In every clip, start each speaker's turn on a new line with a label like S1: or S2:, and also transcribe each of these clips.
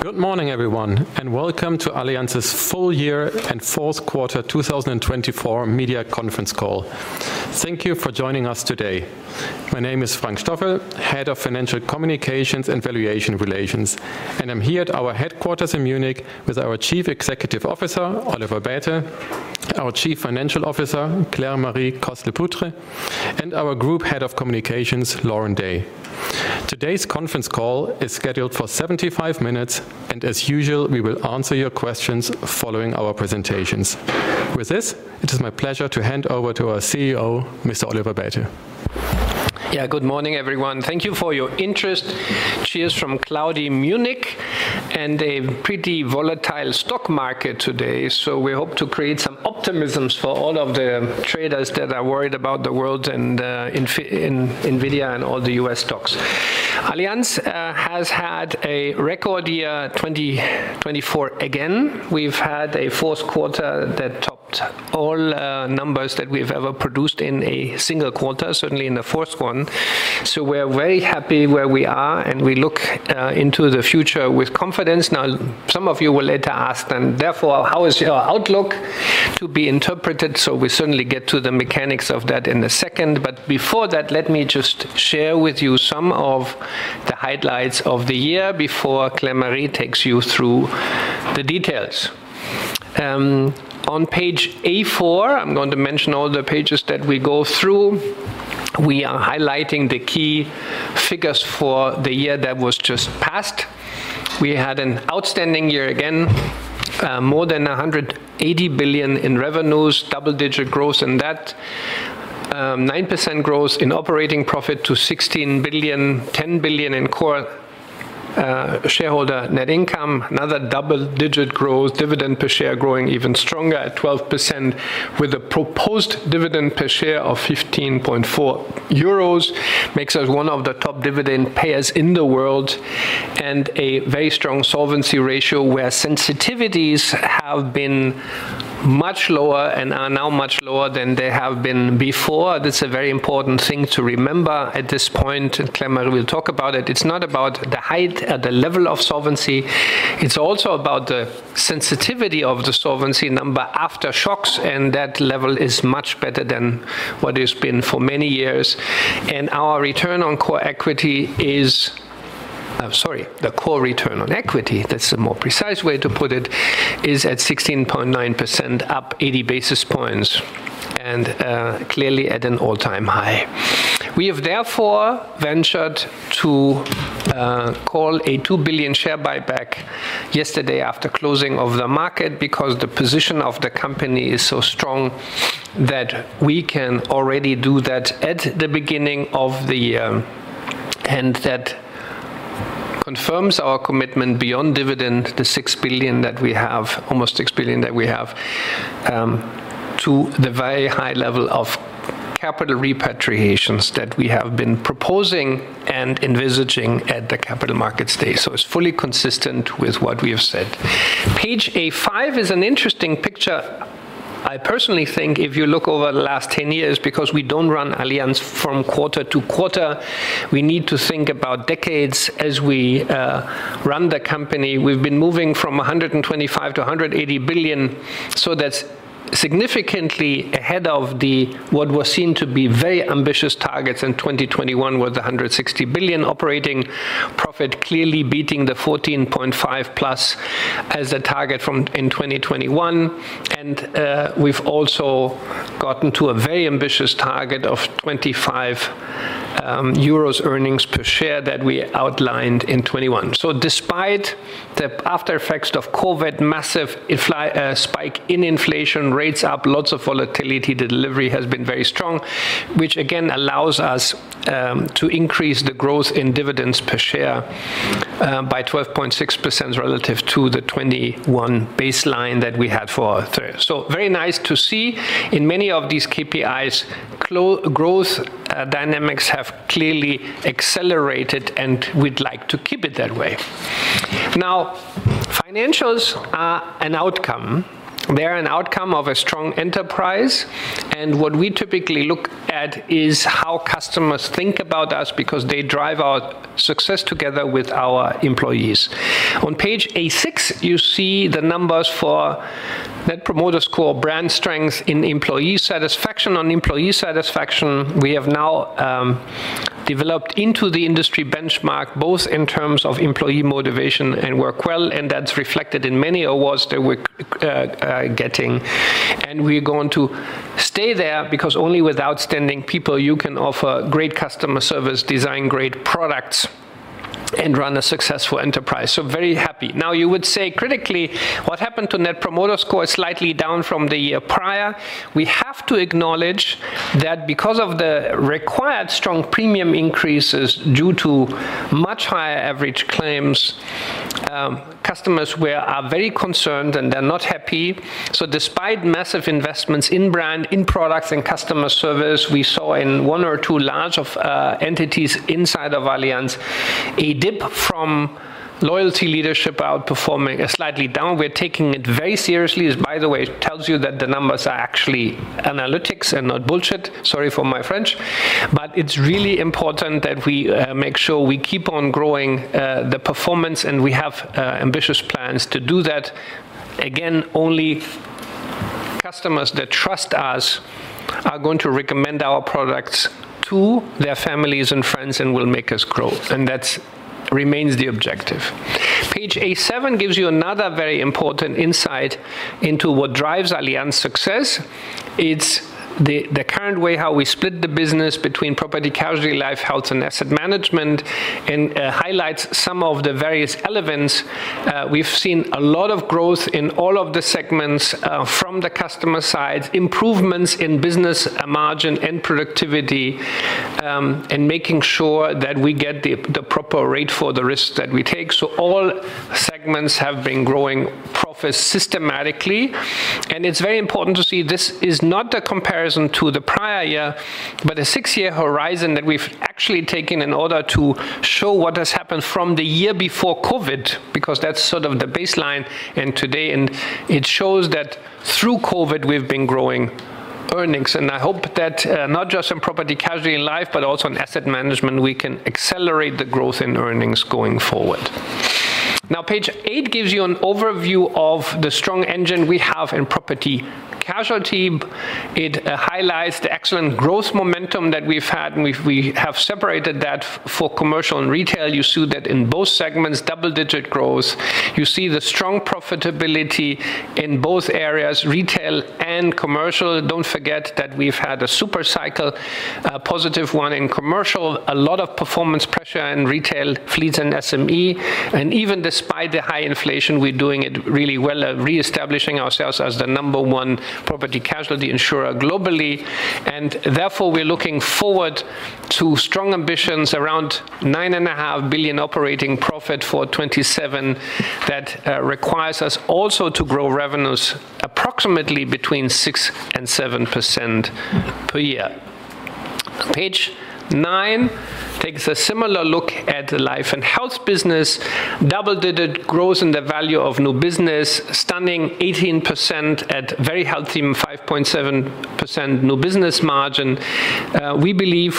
S1: Good morning, everyone, and welcome to Allianz's full year and fourth quarter 2024 media conference call. Thank you for joining us today. My name is Frank Stoffel, Head of Financial Communications and Valuation Relations, and I'm here at our headquarters in Munich with our Chief Executive Officer, Oliver Bäte, our Chief Financial Officer, Claire-Marie Coste-Lepoutre, and our Group Head of Communications, Lauren Day. Today's conference call is scheduled for 75 minutes, and as usual, we will answer your questions following our presentations. With this, it is my pleasure to hand over to our CEO, Mr. Oliver Bäte.
S2: Yeah, good morning, everyone. Thank you for your interest. Cheers from cloudy Munich and a pretty volatile stock market today, so we hope to create some optimism for all of the traders that are worried about the world and in NVIDIA and all the U.S. stocks. Allianz has had a record year 2024 again. We've had a fourth quarter that topped all numbers that we've ever produced in a single quarter, certainly in the fourth one, so we're very happy where we are, and we look into the future with confidence. Now, some of you will later ask, and therefore, how is your outlook to be interpreted, so we certainly get to the mechanics of that in a second, but before that, let me just share with you some of the highlights of the year before Claire-Marie takes you through the details. On page A4, I'm going to mention all the pages that we go through. We are highlighting the key figures for the year that was just passed. We had an outstanding year again, more than 180 billion in revenues, double-digit growth in that, 9% growth in operating profit to 16 billion, 10 billion in core shareholder net income, another double-digit growth, dividend per share growing even stronger at 12% with a proposed dividend per share of 15.4 euros, makes us one of the top dividend payers in the world, and a very strong solvency ratio where sensitivities have been much lower and are now much lower than they have been before. That's a very important thing to remember at this point. Claire-Marie will talk about it. It's not about the height at the level of solvency. It's also about the sensitivity of the solvency number after shocks, and that level is much better than what it's been for many years. And our return on core equity is, sorry, the core return on equity, that's the more precise way to put it, is at 16.9%, up 80 basis points, and clearly at an all-time high. We have therefore ventured to call a 2 billion share buyback yesterday after closing of the market because the position of the company is so strong that we can already do that at the beginning of the year, and that confirms our commitment beyond dividend, the 6 billion that we have, almost 6 billion that we have, to the very high level of capital repatriations that we have been proposing and envisaging at the Capital Markets Day. So it's fully consistent with what we have said. Page A5 is an interesting picture, I personally think, if you look over the last 10 years, because we don't run Allianz from quarter to quarter. We need to think about decades as we run the company. We've been moving from 125 billion-180 billion. So that's significantly ahead of what was seen to be very ambitious targets in 2021 with 160 billion operating profit, clearly beating the 14.5 plus as a target from in 2021. And we've also gotten to a very ambitious target of 25 euros earnings per share that we outlined in 2021. So despite the aftereffects of COVID, massive spike in inflation, rates up, lots of volatility, delivery has been very strong, which again allows us to increase the growth in dividends per share by 12.6% relative to the 2021 baseline that we had for our third. Very nice to see in many of these KPIs, growth dynamics have clearly accelerated, and we'd like to keep it that way. Financials are an outcome. They are an outcome of a strong enterprise. What we typically look at is how customers think about us because they drive our success together with our employees. On page A6, you see the numbers for Net Promoter Score, brand strength in employee satisfaction. On employee satisfaction, we have now developed into the industry benchmark, both in terms of employee motivation and Work Well, and that's reflected in many awards that we're getting. We're going to stay there because only with outstanding people you can offer great customer service, design great products, and run a successful enterprise. Very happy. You would say critically, what happened to Net Promoter Score is slightly down from the year prior. We have to acknowledge that because of the required strong premium increases due to much higher average claims, customers are very concerned and they're not happy. So despite massive investments in brand, in products, and customer service, we saw in one or two large entities inside of Allianz a dip from loyalty leadership outperforming slightly down. We're taking it very seriously, as by the way, it tells you that the numbers are actually analytics and not bullshit. Sorry for my French. But it's really important that we make sure we keep on growing the performance, and we have ambitious plans to do that. Again, only customers that trust us are going to recommend our products to their families and friends and will make us grow, and that remains the objective. Page A7 gives you another very important insight into what drives Allianz success. It's the current way how we split the business between Property-Casualty, Life/Health, and Asset Management and highlights some of the various elements. We've seen a lot of growth in all of the segments from the customer side, improvements in business margin and productivity, and making sure that we get the proper rate for the risks that we take. So all segments have been growing profits systematically. And it's very important to see this is not a comparison to the prior year, but a six-year horizon that we've actually taken in order to show what has happened from the year before COVID, because that's sort of the baseline today. And it shows that through COVID, we've been growing earnings. And I hope that not just in property, casualty, and life, but also in Asset Management, we can accelerate the growth in earnings going forward. Now, page 8 gives you an overview of the strong engine we have in property casualty. It highlights the excellent growth momentum that we've had, and we have separated that for commercial and retail. You see that in both segments, double-digit growth. You see the strong profitability in both areas, retail and commercial. Don't forget that we've had a super cycle, a positive one in commercial. A lot of performance pressure in retail fleets and SME. And even despite the high inflation, we're doing it really well, reestablishing ourselves as the number one property casualty insurer globally. Therefore, we're looking forward to strong ambitions around 9.5 billion operating profit for 2027 that requires us also to grow revenues approximately between 6% and 7% per year. Page 9 takes a similar look at the Life and Health business. Double-digit growth in the value of new business, stunning 18% at very healthy 5.7% new business margin. We believe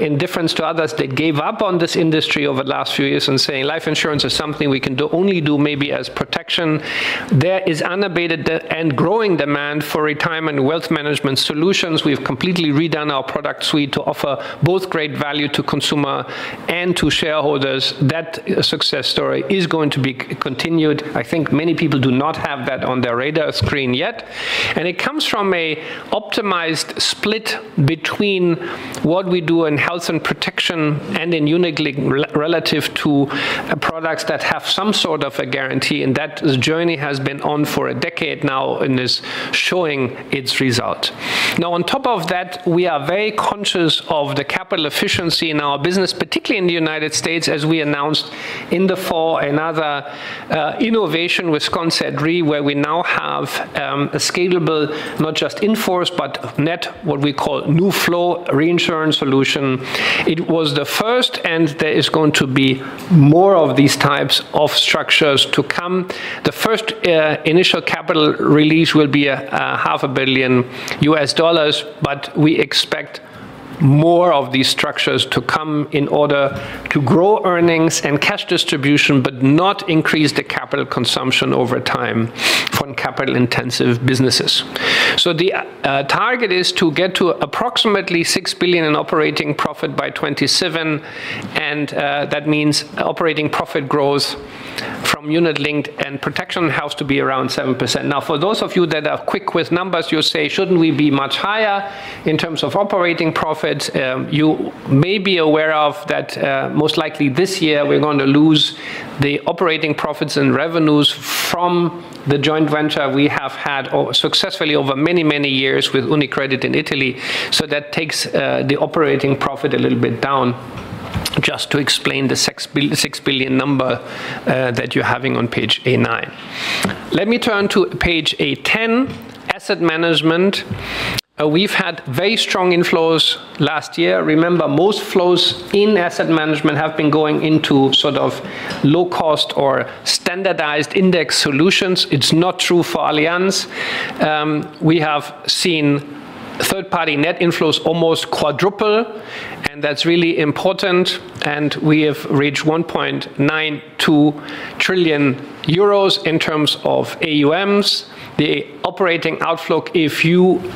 S2: in difference to others that gave up on this industry over the last few years and saying life insurance is something we can only do maybe as protection. There is unabated and growing demand for retirement wealth management solutions. We've completely redone our product suite to offer both great value to consumer and to shareholders. That success story is going to be continued. I think many people do not have that on their radar screen yet, and it comes from an optimized split between what we do in health and protection and in unit-linked products that have some sort of a guarantee, and that journey has been on for a decade now and is showing its result. Now, on top of that, we are very conscious of the capital efficiency in our business, particularly in the United States, as we announced in the fall another innovation with Concert Re, where we now have a scalable, not just in force, but net what we call new flow reinsurance solution. It was the first, and there is going to be more of these types of structures to come. The first initial capital release will be $500 million, but we expect more of these structures to come in order to grow earnings and cash distribution, but not increase the capital consumption over time for capital-intensive businesses. So the target is to get to approximately 6 billion in operating profit by 2027. And that means operating profit growth from unit linked and protection has to be around 7%. Now, for those of you that are quick with numbers, you say, shouldn't we be much higher in terms of operating profits? You may be aware of that most likely this year we're going to lose the operating profits and revenues from the joint venture we have had successfully over many, many years with UniCredit in Italy. So that takes the operating profit a little bit down just to explain the 6 billion number that you're having on page A9. Let me turn to page A10, Asset Management. We've had very strong inflows last year. Remember, most flows in Asset Management have been going into sort of low-cost or standardized index solutions. It's not true for Allianz. We have seen third-party net inflows almost quadruple, and that's really important. And we have reached 1.92 trillion euros in terms of AUMs. The operating outlook, if you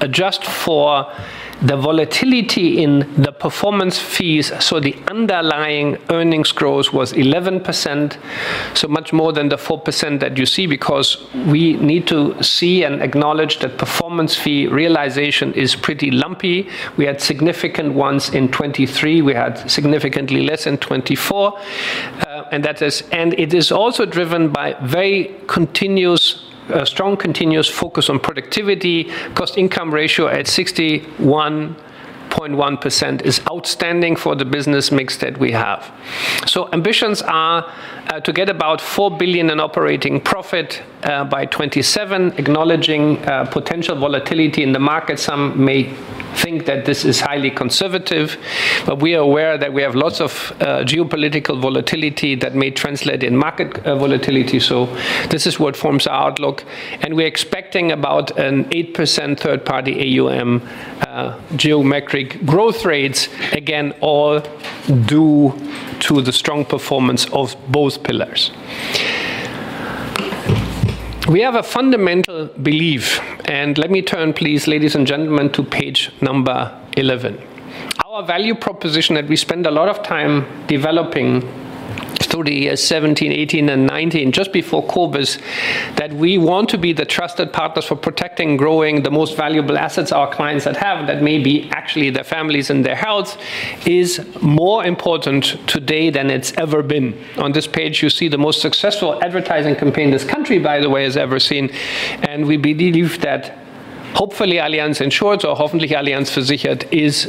S2: adjust for the volatility in the performance fees, so the underlying earnings growth was 11%, so much more than the 4% that you see because we need to see and acknowledge that performance fee realization is pretty lumpy. We had significant ones in 2023. We had significantly less in 2024. And it is also driven by very strong continuous focus on productivity. Cost-to-income ratio at 61.1% is outstanding for the business mix that we have. So ambitions are to get about 4 billion in operating profit by 2027, acknowledging potential volatility in the market. Some may think that this is highly conservative, but we are aware that we have lots of geopolitical volatility that may translate in market volatility. So this is what forms our outlook. We're expecting about an 8% third-party AUM geometric growth rates, again, all due to the strong performance of both pillars. We have a fundamental belief, and let me turn, please, ladies and gentlemen, to page number 11. Our value proposition that we spend a lot of time developing through the years 2017, 2018, and 2019, just before COVID, that we want to be the trusted partners for protecting and growing the most valuable assets our clients that have, that may be actually their families and their health, is more important today than it's ever been. On this page, you see the most successful advertising campaign this country, by the way, has ever seen. We believe that hopefully Allianz Insurance or Hoffentlich Allianz versichert is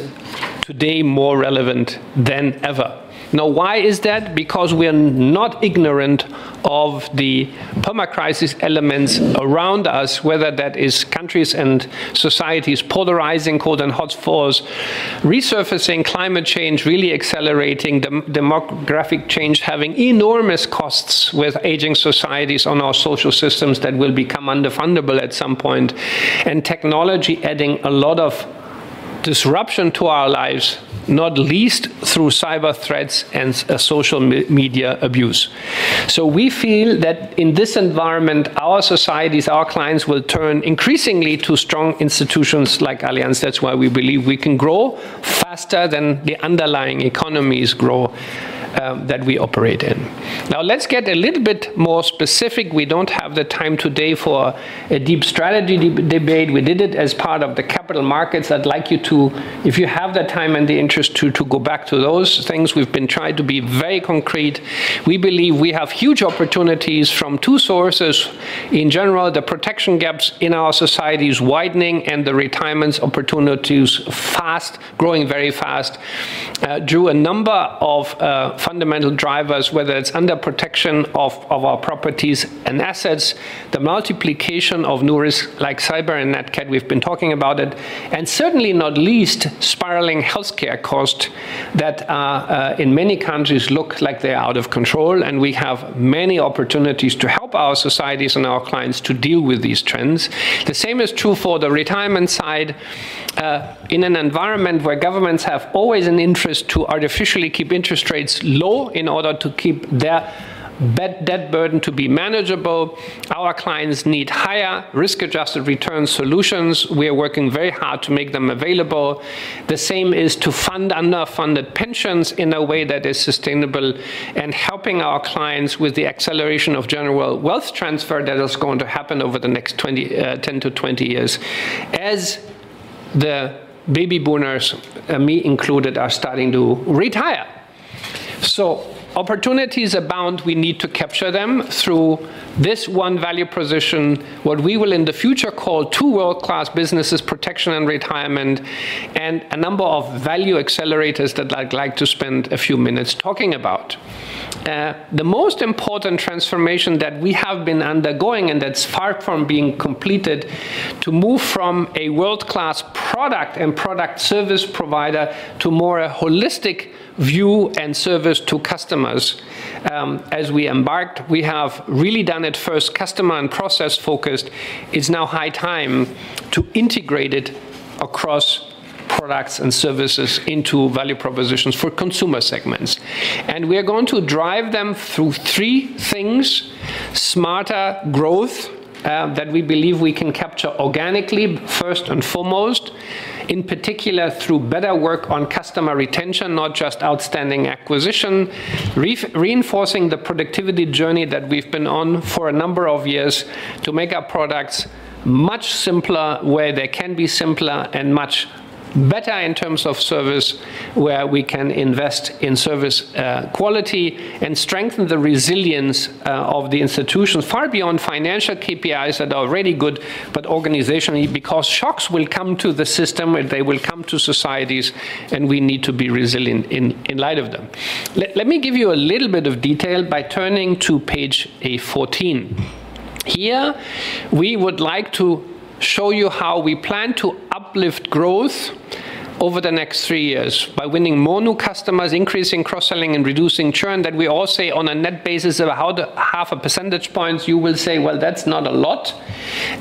S2: today more relevant than ever. Now, why is that? Because we are not ignorant of the perma-crisis elements around us, whether that is countries and societies polarizing, cold and hot wars, resurfacing climate change, really accelerating demographic change, having enormous costs with aging societies on our social systems that will become undefendable at some point, and technology adding a lot of disruption to our lives, not least through cyber threats and social media abuse. So we feel that in this environment, our societies, our clients will turn increasingly to strong institutions like Allianz. That's why we believe we can grow faster than the underlying economies grow that we operate in. Now, let's get a little bit more specific. We don't have the time today for a deep strategy debate. We did it as part of the capital markets. I'd like you to, if you have the time and the interest to go back to those things. We've been trying to be very concrete. We believe we have huge opportunities from two sources. In general, the protection gaps in our societies widening and the retirements opportunities fast, growing very fast, drew a number of fundamental drivers, whether it's under protection of our properties and assets, the multiplication of new risks like cyber and NatCat. We've been talking about it. And certainly not least, spiraling healthcare costs that in many countries look like they're out of control. And we have many opportunities to help our societies and our clients to deal with these trends. The same is true for the retirement side. In an environment where governments have always an interest to artificially keep interest rates low in order to keep their debt burden to be manageable, our clients need higher risk-adjusted return solutions. We are working very hard to make them available. The same is to fund underfunded pensions in a way that is sustainable and helping our clients with the acceleration of general wealth transfer that is going to happen over the next 10 to 20 years as the baby boomers, me included, are starting to retire. So opportunities abound. We need to capture them through this one value position, what we will in the future call two world-class businesses, protection and retirement, and a number of value accelerators that I'd like to spend a few minutes talking about. The most important transformation that we have been undergoing, and that's far from being completed, to move from a world-class product and product service provider to more a holistic view and service to customers. As we embarked, we have really done it first customer and process-focused. It's now high time to integrate it across products and services into value propositions for consumer segments, and we are going to drive them through three things: smarter growth that we believe we can capture organically, first and foremost, in particular through better work on customer retention, not just outstanding acquisition, reinforcing the productivity journey that we've been on for a number of years to make our products much simpler, where they can be simpler and much better in terms of service, where we can invest in service quality and strengthen the resilience of the institutions far beyond financial KPIs that are already good, but organizationally, because shocks will come to the system and they will come to societies, and we need to be resilient in light of them. Let me give you a little bit of detail by turning to page A14. Here, we would like to show you how we plan to uplift growth over the next three years by winning more new customers, increasing cross-selling, and reducing churn that we all say on a net basis of 0.5 percentage points. You will say, "Well, that's not a lot."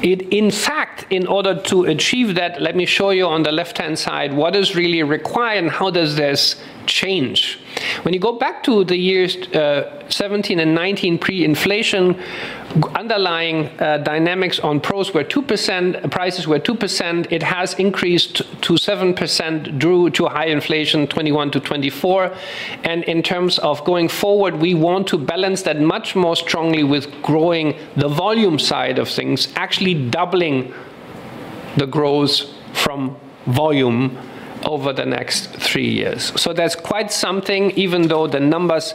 S2: In fact, in order to achieve that, let me show you on the left-hand side what is really required and how does this change. When you go back to the years 2017 and 2019 pre-inflation, underlying dynamics on price were 2%. It has increased to 7% due to high inflation 2021 to 2024. And in terms of going forward, we want to balance that much more strongly with growing the volume side of things, actually doubling the growth from volume over the next three years. So that's quite something, even though the numbers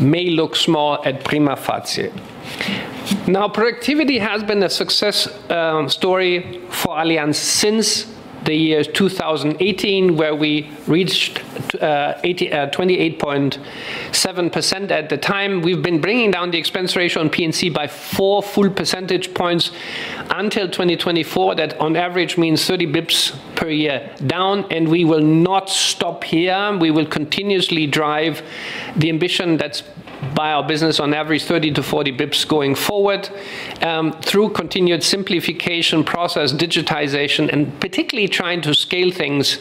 S2: may look small at prima facie. Now, productivity has been a success story for Allianz since the year 2018, where we reached 28.7% at the time. We've been bringing down the expense ratio on P&C by four full percentage points until 2024. That on average means 30 basis points per year down. And we will not stop here. We will continuously drive the ambition that's by our business on average 30-40 basis points going forward through continued simplification process, digitization, and particularly trying to scale things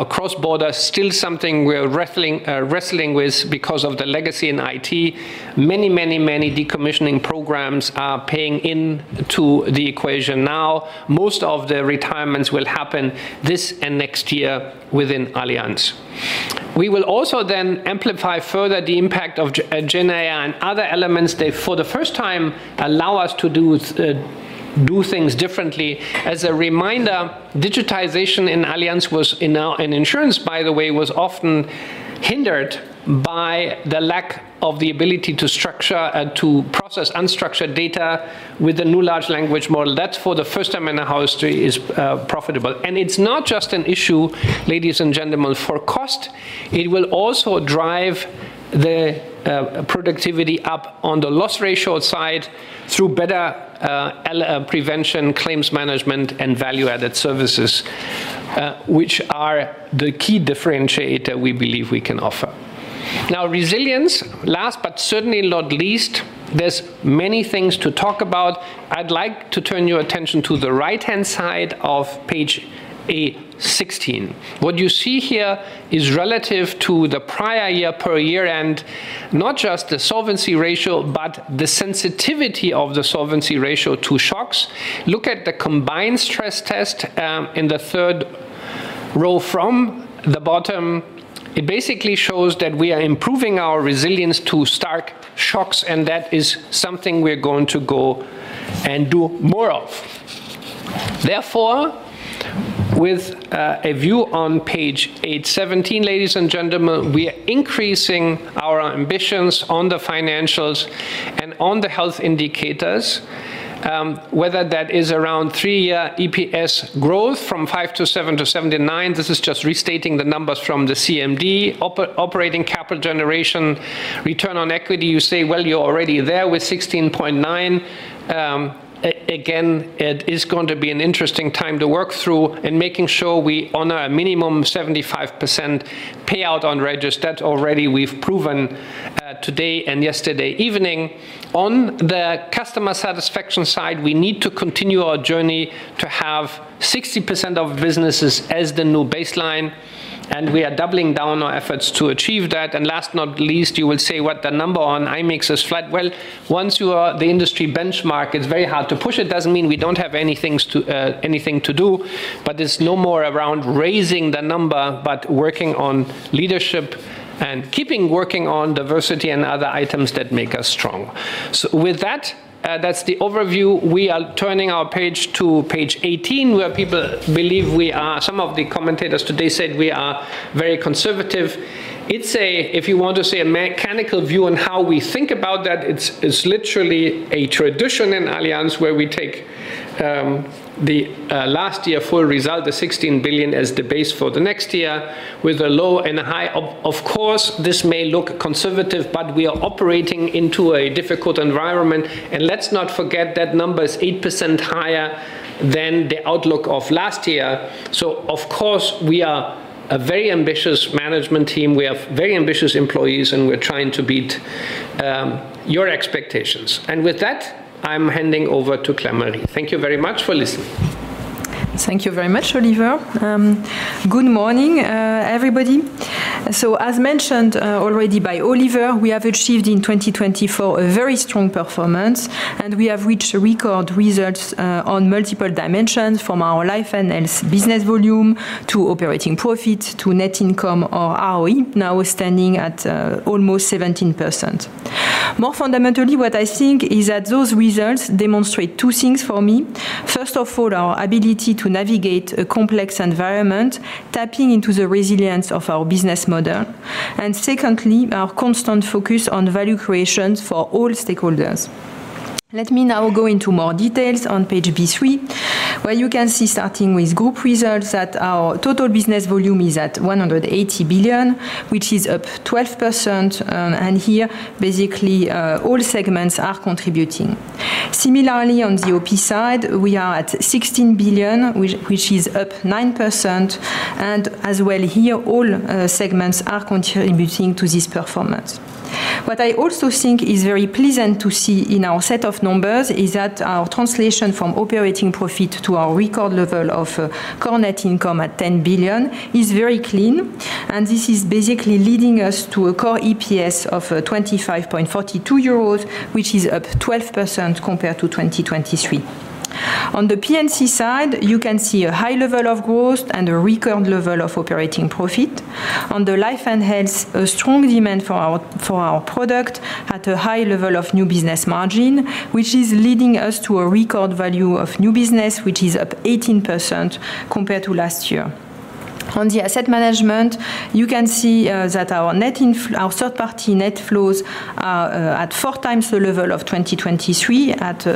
S2: across borders. Still something we're wrestling with because of the legacy in IT. Many, many, many decommissioning programs are paying into the equation now. Most of the retirements will happen this and next year within Allianz. We will also then amplify further the impact of GenAI and other elements. They, for the first time, allow us to do things differently. As a reminder, digitization in Allianz was in insurance, by the way, was often hindered by the lack of the ability to process unstructured data with a new large language model. That's, for the first time in our history, profitable. And it's not just an issue, ladies and gentlemen, for cost. It will also drive the productivity up on the loss ratio side through better prevention, claims management, and value-added services, which are the key differentiator we believe we can offer. Now, resilience, last but certainly not least, there's many things to talk about. I'd like to turn your attention to the right-hand side of page A16. What you see here is relative to the prior year per year end, not just the solvency ratio, but the sensitivity of the solvency ratio to shocks. Look at the combined stress test in the third row from the bottom. It basically shows that we are improving our resilience to stark shocks, and that is something we're going to go and do more of. Therefore, with a view on page A17, ladies and gentlemen, we are increasing our ambitions on the financials and on the health indicators, whether that is around three-year EPS growth from 5-7 to 7-9. This is just restating the numbers from the CMD, operating capital generation, return on equity. You say, "Well, you're already there with 16.9." Again, it is going to be an interesting time to work through and making sure we honor a minimum 75% payout on register. That's already we've proven today and yesterday evening. On the customer satisfaction side, we need to continue our journey to have 60% of businesses as the new baseline, and we are doubling down our efforts to achieve that. Last but not least, you will say, "What the number on IMIX is flat." Once you are the industry benchmark, it's very hard to push it. It doesn't mean we don't have anything to do, but it's no more around raising the number, but working on leadership and keeping working on diversity and other items that make us strong. With that, that's the overview. We are turning our page to page 18, where people believe we are. Some of the commentators today said we are very conservative. If you want to see a mechanical view on how we think about that, it's literally a tradition in Allianz where we take the last year full result, the 16 billion as the base for the next year with a low and a high. Of course, this may look conservative, but we are operating into a difficult environment. And let's not forget that number is 8% higher than the outlook of last year. So, of course, we are a very ambitious management team. We have very ambitious employees, and we're trying to beat your expectations. And with that, I'm handing over to Claire-Marie. Thank you very much for listening.
S3: Thank you very much, Oliver. Good morning, everybody. So, as mentioned already by Oliver, we have achieved in 2024 a very strong performance, and we have reached record results on multiple dimensions from our Life and Health business volume to operating profit to net income or ROE, now standing at almost 17%. More fundamentally, what I think is that those results demonstrate two things for me. First of all, our ability to navigate a complex environment, tapping into the resilience of our business model. And secondly, our constant focus on value creations for all stakeholders. Let me now go into more details on page B3, where you can see starting with group results that our total business volume is at 180 billion, which is up 12%, and here, basically, all segments are contributing. Similarly, on the OP side, we are at 16 billion, which is up 9%, and as well here, all segments are contributing to this performance. What I also think is very pleasant to see in our set of numbers is that our translation from operating profit to our record level of core net income at 10 billion is very clean, and this is basically leading us to a core EPS of 25.42 euros, which is up 12% compared to 2023. On the P&C side, you can see a high level of growth and a record level of operating profit. On the Life and Health, a strong demand for our product at a high level of new business margin, which is leading us to a record value of new business, which is up 18% compared to last year. On the Asset Management, you can see that our third-party net flows are at four times the level of 2023 at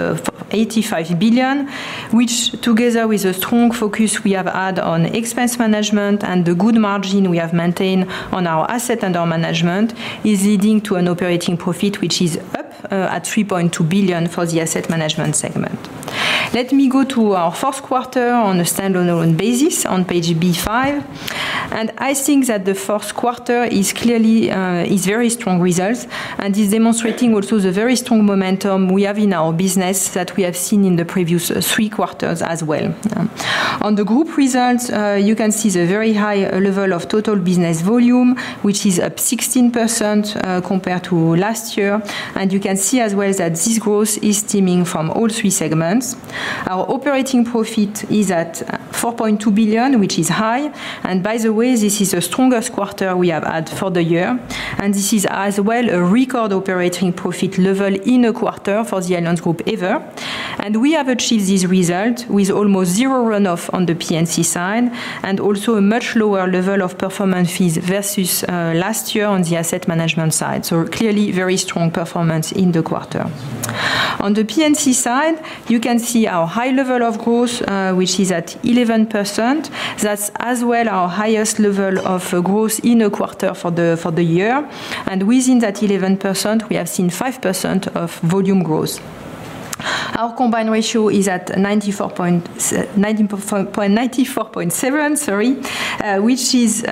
S3: 85 billion, which together with a strong focus we have had on expense management and the good margin we have maintained on our asset and our management is leading to an operating profit, which is up at 3.2 billion for the Asset Management segment. Let me go to our fourth quarter on a standalone basis on page B5. I think that the fourth quarter is very strong results and is demonstrating also the very strong momentum we have in our business that we have seen in the previous three quarters as well. On the group results, you can see the very high level of total business volume, which is up 16% compared to last year. You can see as well that this growth is stemming from all three segments. Our operating profit is at 4.2 billion, which is high. By the way, this is the strongest quarter we have had for the year. This is as well a record operating profit level in a quarter for the Allianz Group ever. We have achieved this result with almost zero runoff on the P&C side and also a much lower level of performance fees versus last year on the Asset Management side. Clearly, very strong performance in the quarter. On the P&C side, you can see our high level of growth, which is at 11%. That's as well our highest level of growth in a quarter for the year. And within that 11%, we have seen 5% of volume growth. Our combined ratio is at 94.7, which is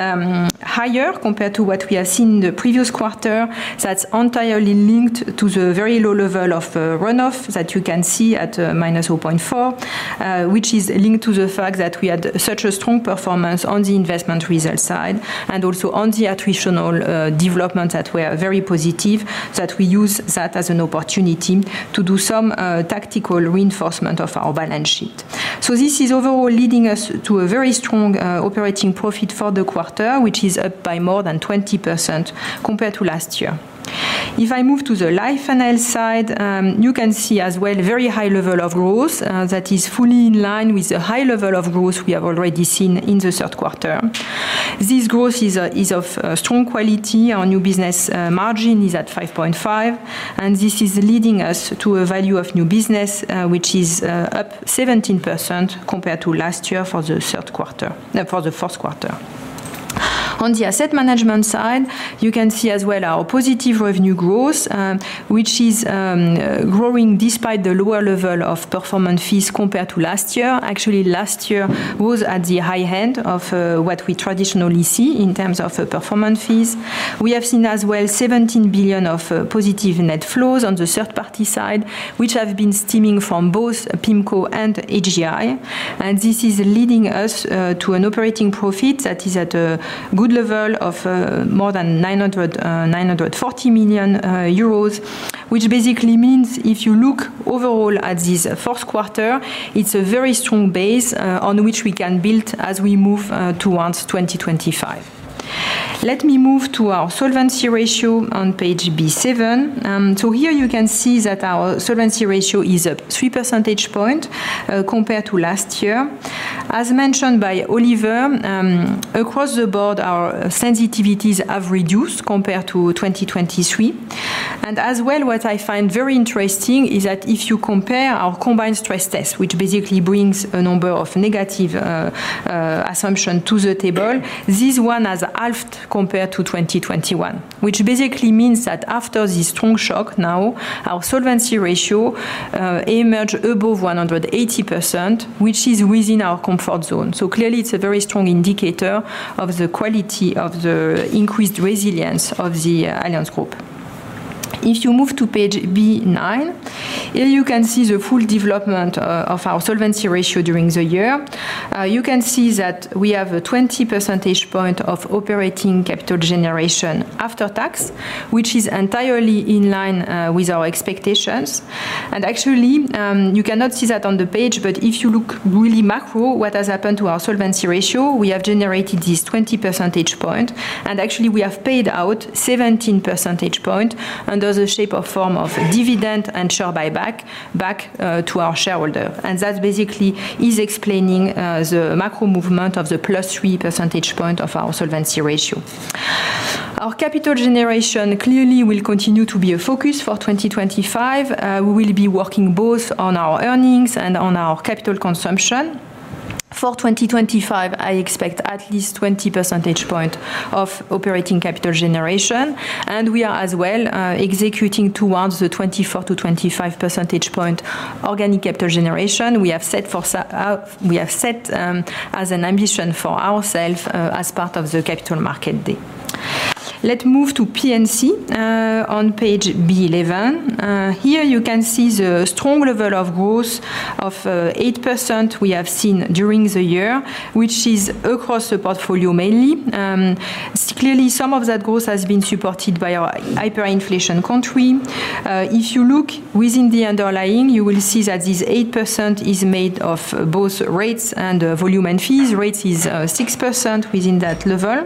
S3: higher compared to what we have seen in the previous quarter. That's entirely linked to the very low level of runoff that you can see at -0.4%, which is linked to the fact that we had such a strong performance on the investment result side and also on the attritional development that we are very positive that we use that as an opportunity to do some tactical reinforcement of our balance sheet. This is overall leading us to a very strong operating profit for the quarter, which is up by more than 20% compared to last year. If I move to the Life and Health side, you can see as well a very high level of growth that is fully in line with the high level of growth we have already seen in the third quarter. This growth is of strong quality. Our new business margin is at 5.5, and this is leading us to a value of new business, which is up 17% compared to last year for the fourth quarter. On the Asset Management side, you can see as well our positive revenue growth, which is growing despite the lower level of performance fees compared to last year. Actually, last year was at the high end of what we traditionally see in terms of performance fees. We have seen as well 17 billion of positive net flows on the third-party side, which have been stemming from both PIMCO and AGI. And this is leading us to an operating profit that is at a good level of more than 940 million euros, which basically means if you look overall at this fourth quarter, it's a very strong base on which we can build as we move towards 2025. Let me move to our solvency ratio on page B7. So here you can see that our solvency ratio is up 3 percentage points compared to last year. As mentioned by Oliver, across the board, our sensitivities have reduced compared to 2023. And as well, what I find very interesting is that if you compare our combined stress test, which basically brings a number of negative assumptions to the table, this one has halved compared to 2021, which basically means that after this strong shock, now our solvency ratio emerged above 180%, which is within our comfort zone. So clearly, it's a very strong indicator of the quality of the increased resilience of the Allianz Group. If you move to page B9, here you can see the full development of our solvency ratio during the year. You can see that we have a 20 percentage points of operating capital generation after tax, which is entirely in line with our expectations. Actually, you cannot see that on the page, but if you look really macro, what has happened to our solvency ratio. We have generated this 20 percentage point, and actually we have paid out 17 percentage points under the shape or form of dividend and share buyback back to our shareholder. That basically is explaining the macro movement of the plus 3 percentage point of our solvency ratio. Our capital generation clearly will continue to be a focus for 2025. We will be working both on our earnings and on our capital consumption. For 2025, I expect at least 20 percentage points of operating capital generation. We are as well executing towards the 24-25 percentage point organic capital generation we have set as an ambition for ourselves as part of the Capital Market Day. Let's move to P&C on page B11. Here you can see the strong level of growth of 8% we have seen during the year, which is across the portfolio mainly. Clearly, some of that growth has been supported by our hyperinflation country. If you look within the underlying, you will see that this 8% is made of both rates and volume and fees. Rates is 6% within that level.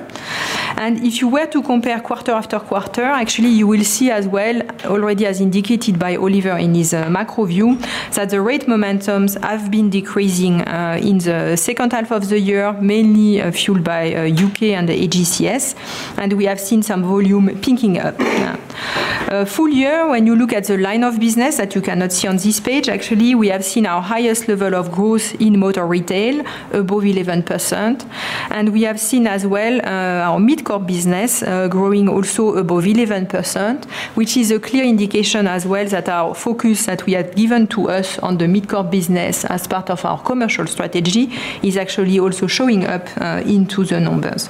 S3: And if you were to compare quarter after quarter, actually you will see as well already as indicated by Oliver in his macro view that the rate momentums have been decreasing in the second half of the year, mainly fueled by UK and the AGCS. And we have seen some volume picking up. Full year, when you look at the line of business that you cannot see on this page, actually we have seen our highest level of growth in motor retail above 11%. We have seen as well our MidCorp business growing also above 11%, which is a clear indication as well that our focus that we have given to us on the MidCorp business as part of our commercial strategy is actually also showing up into the numbers.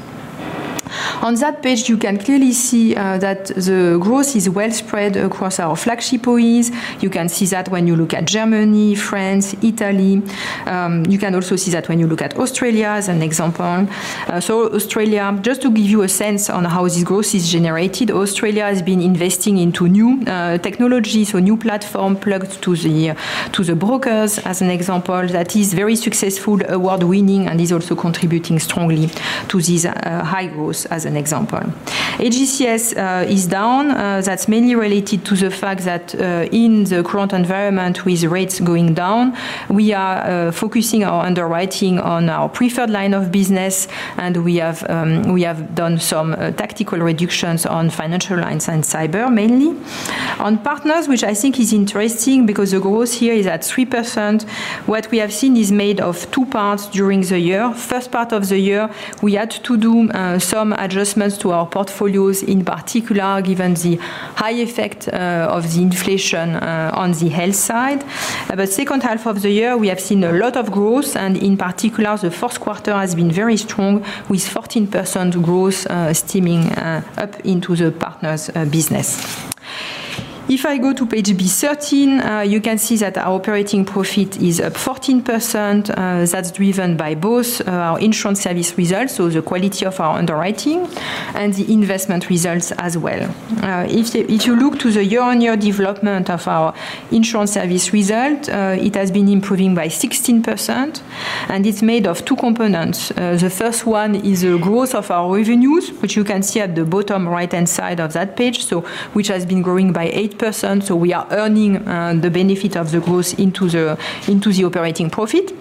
S3: On that page, you can clearly see that the growth is well spread across our flagship OEs. You can see that when you look at Germany, France, Italy. You can also see that when you look at Australia as an example. So Australia, just to give you a sense on how this growth is generated, Australia has been investing into new technologies, so new platform plugged to the brokers as an example that is very successful, award-winning, and is also contributing strongly to this high growth as an example. AGCS is down. That's mainly related to the fact that in the current environment with rates going down, we are focusing our underwriting on our preferred line of business, and we have done some tactical reductions on financial lines and cyber mainly. On Partners, which I think is interesting because the growth here is at 3%, what we have seen is made of two parts during the year. First part of the year, we had to do some adjustments to our portfolios in particular, given the high effect of the inflation on the health side, but second half of the year, we have seen a lot of growth, and in particular, the fourth quarter has been very strong with 14% growth stemming up into the Partners' business. If I go to page B13, you can see that our operating profit is up 14%. That's driven by both our insurance service results, so the quality of our underwriting, and the investment results as well. If you look to the year-on-year development of our insurance service result, it has been improving by 16%, and it's made of two components. The first one is the growth of our revenues, which you can see at the bottom right-hand side of that page, which has been growing by 8%. So we are earning the benefit of the growth into the operating profit.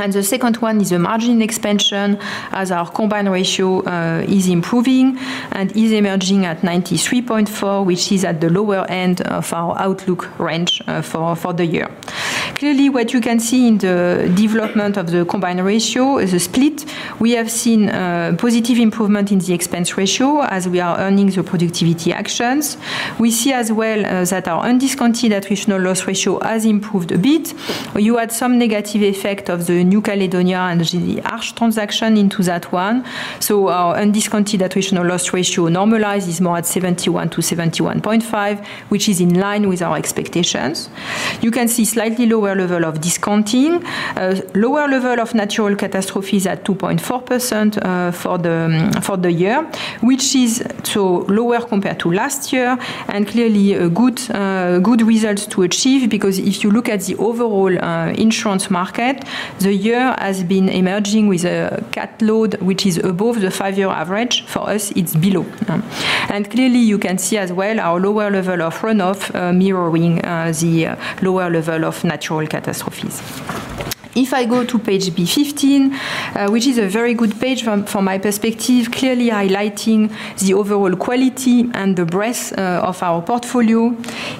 S3: And the second one is the margin expansion as our combined ratio is improving and is emerging at 93.4%, which is at the lower end of our outlook range for the year. Clearly, what you can see in the development of the combined ratio is a split. We have seen positive improvement in the expense ratio as we are earning the productivity actions. We see as well that our undiscounted attritional loss ratio has improved a bit. You had some negative effect of the New Caledonia and the Arch transaction into that one. So our undiscounted attritional loss ratio normalized is more at 71% to 71.5%, which is in line with our expectations. You can see slightly lower level of discounting, lower level of natural catastrophes at 2.4% for the year, which is lower compared to last year, and clearly a good result to achieve because if you look at the overall insurance market, the year has been emerging with a cat load, which is above the five-year average. For us, it's below. And clearly, you can see as well our lower level of runoff mirroring the lower level of natural catastrophes. If I go to page B15, which is a very good page from my perspective, clearly highlighting the overall quality and the breadth of our portfolio.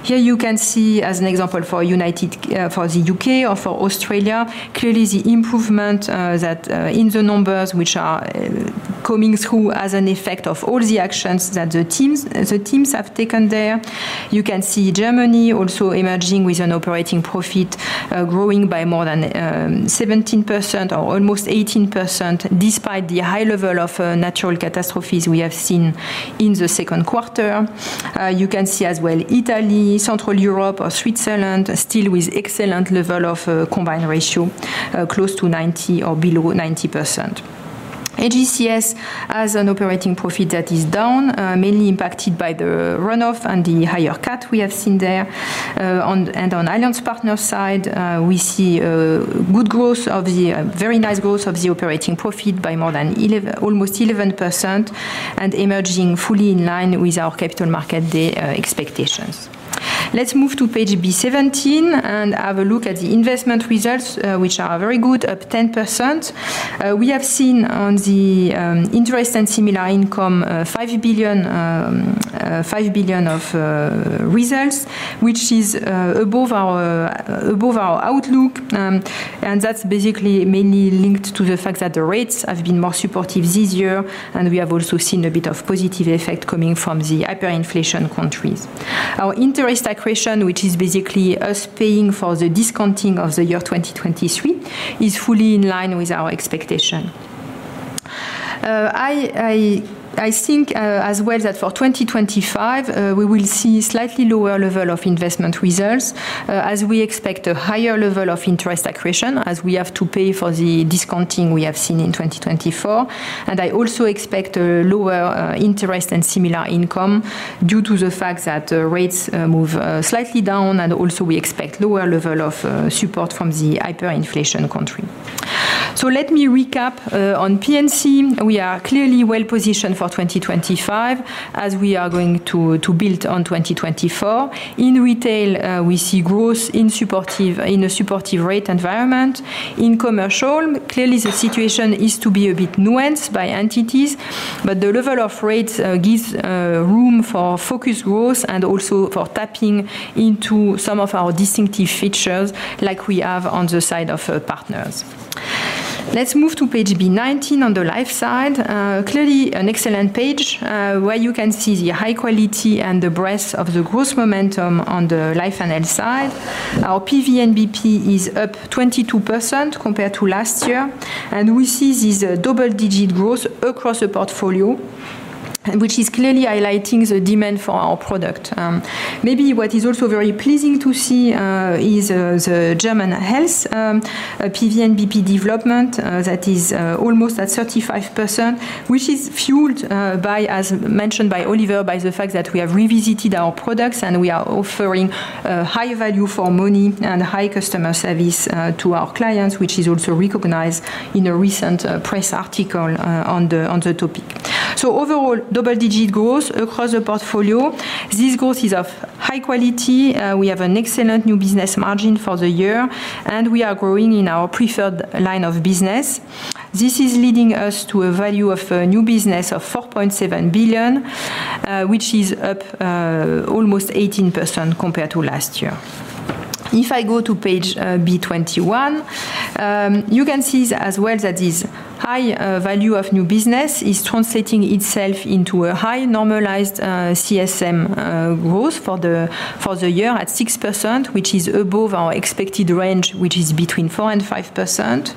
S3: Here you can see as an example for the UK or for Australia, clearly the improvement in the numbers which are coming through as an effect of all the actions that the teams have taken there. You can see Germany also emerging with an operating profit growing by more than 17% or almost 18% despite the high level of natural catastrophes we have seen in the second quarter. You can see as well Italy, Central Europe, or Switzerland still with excellent level of combined ratio close to 90% or below 90%. AGCS has an operating profit that is down, mainly impacted by the runoff and the higher cat we have seen there. On Allianz Partners' side, we see good, very nice growth of the operating profit by more than almost 11% and emerging fully in line with our Capital Market Day expectations. Let's move to page B17 and have a look at the investment results, which are very good, up 10%. We have seen on the interest and similar income 5 billion of results, which is above our outlook. That's basically mainly linked to the fact that the rates have been more supportive this year, and we have also seen a bit of positive effect coming from the hyperinflation countries. Our interest accretion, which is basically us paying for the discounting of the year 2023, is fully in line with our expectation. I think as well that for 2025, we will see slightly lower level of investment results as we expect a higher level of interest accretion as we have to pay for the discounting we have seen in 2024, and I also expect lower interest and similar income due to the fact that rates move slightly down, and also we expect lower level of support from the hyperinflation country, so let me recap on P&C. We are clearly well positioned for 2025 as we are going to build on 2024. In retail, we see growth in a supportive rate environment. In commercial, clearly the situation is to be a bit nuanced by entities, but the level of rates gives room for focused growth and also for tapping into some of our distinctive features like we have on the side of Partners. Let's move to page B19 on the life side. Clearly, an excellent page where you can see the high quality and the breadth of the growth momentum on the Life and Health side. Our PVNBP is up 22% compared to last year, and we see this double-digit growth across the portfolio, which is clearly highlighting the demand for our product. Maybe what is also very pleasing to see is the German health PVNBP development that is almost at 35%, which is fueled by, as mentioned by Oliver, by the fact that we have revisited our products and we are offering high value for money and high customer service to our clients, which is also recognized in a recent press article on the topic. So overall, double-digit growth across the portfolio. This growth is of high quality. We have an excellent new business margin for the year, and we are growing in our preferred line of business. This is leading us to a value of new business of 4.7 billion, which is up almost 18% compared to last year. If I go to page B21, you can see as well that this high value of new business is translating itself into a high normalized CSM growth for the year at 6%, which is above our expected range, which is between 4% and 5%.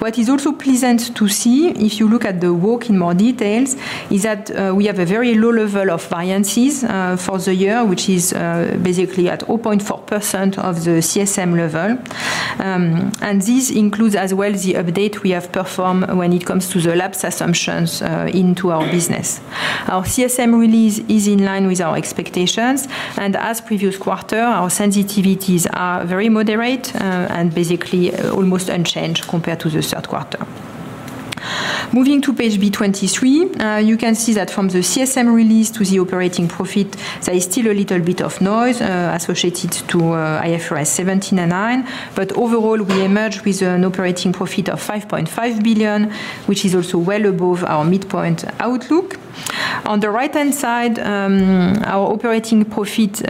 S3: What is also pleasant to see, if you look at the work in more detail, is that we have a very low level of variances for the year, which is basically at 0.4% of the CSM level. And this includes as well the update we have performed when it comes to the lapse assumptions into our business. Our CSM release is in line with our expectations, and as previous quarter, our sensitivities are very moderate and basically almost unchanged compared to the third quarter. Moving to page B23, you can see that from the CSM release to the operating profit, there is still a little bit of noise associated to IFRS 17/9, but overall, we emerge with an operating profit of 5.5 billion, which is also well above our midpoint outlook. On the right-hand side, our operating profit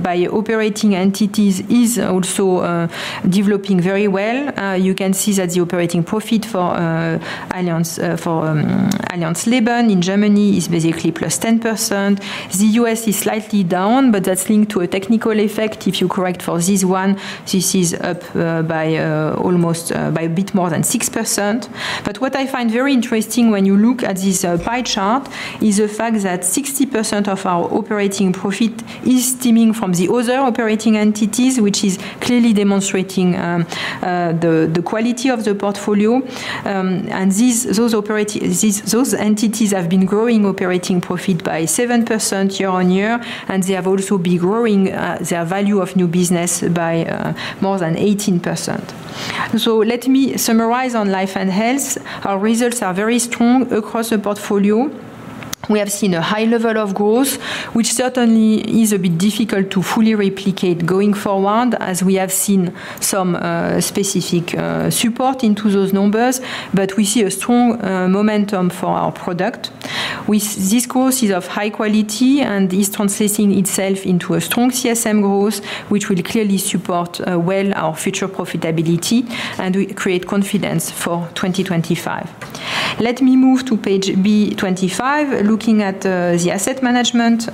S3: by operating entities is also developing very well. You can see that the operating profit for Allianz Leben in Germany is basically plus 10%. The U.S. is slightly down, but that's linked to a technical effect. If you correct for this one, this is up by a bit more than 6%. But what I find very interesting when you look at this pie chart is the fact that 60% of our operating profit is stemming from the other operating entities, which is clearly demonstrating the quality of the portfolio. Those entities have been growing operating profit by 7% year on year, and they have also been growing their value of new business by more than 18%. Let me summarize on Life and Health. Our results are very strong across the portfolio. We have seen a high level of growth, which certainly is a bit difficult to fully replicate going forward as we have seen some specific support into those numbers, but we see a strong momentum for our product. This growth is of high quality and is translating itself into a strong CSM growth, which will clearly support well our future profitability and create confidence for 2025. Let me move to page B25, looking at the Asset Management.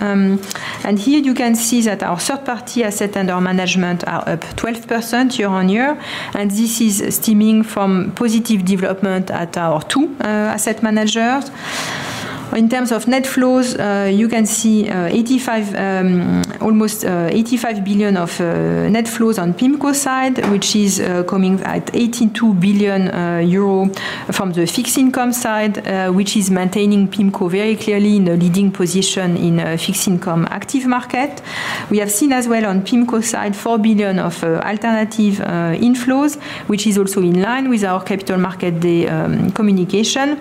S3: Here you can see that our third-party assets under management are up 12% year on year, and this is stemming from positive development at our two asset managers. In terms of net flows, you can see almost 85 billion of net flows on PIMCO side, which is coming at 82 billion euro from the fixed income side, which is maintaining PIMCO very clearly in the leading position in fixed income active market. We have seen as well on PIMCO side, 4 billion of alternative inflows, which is also in line with our Capital Market Day communication.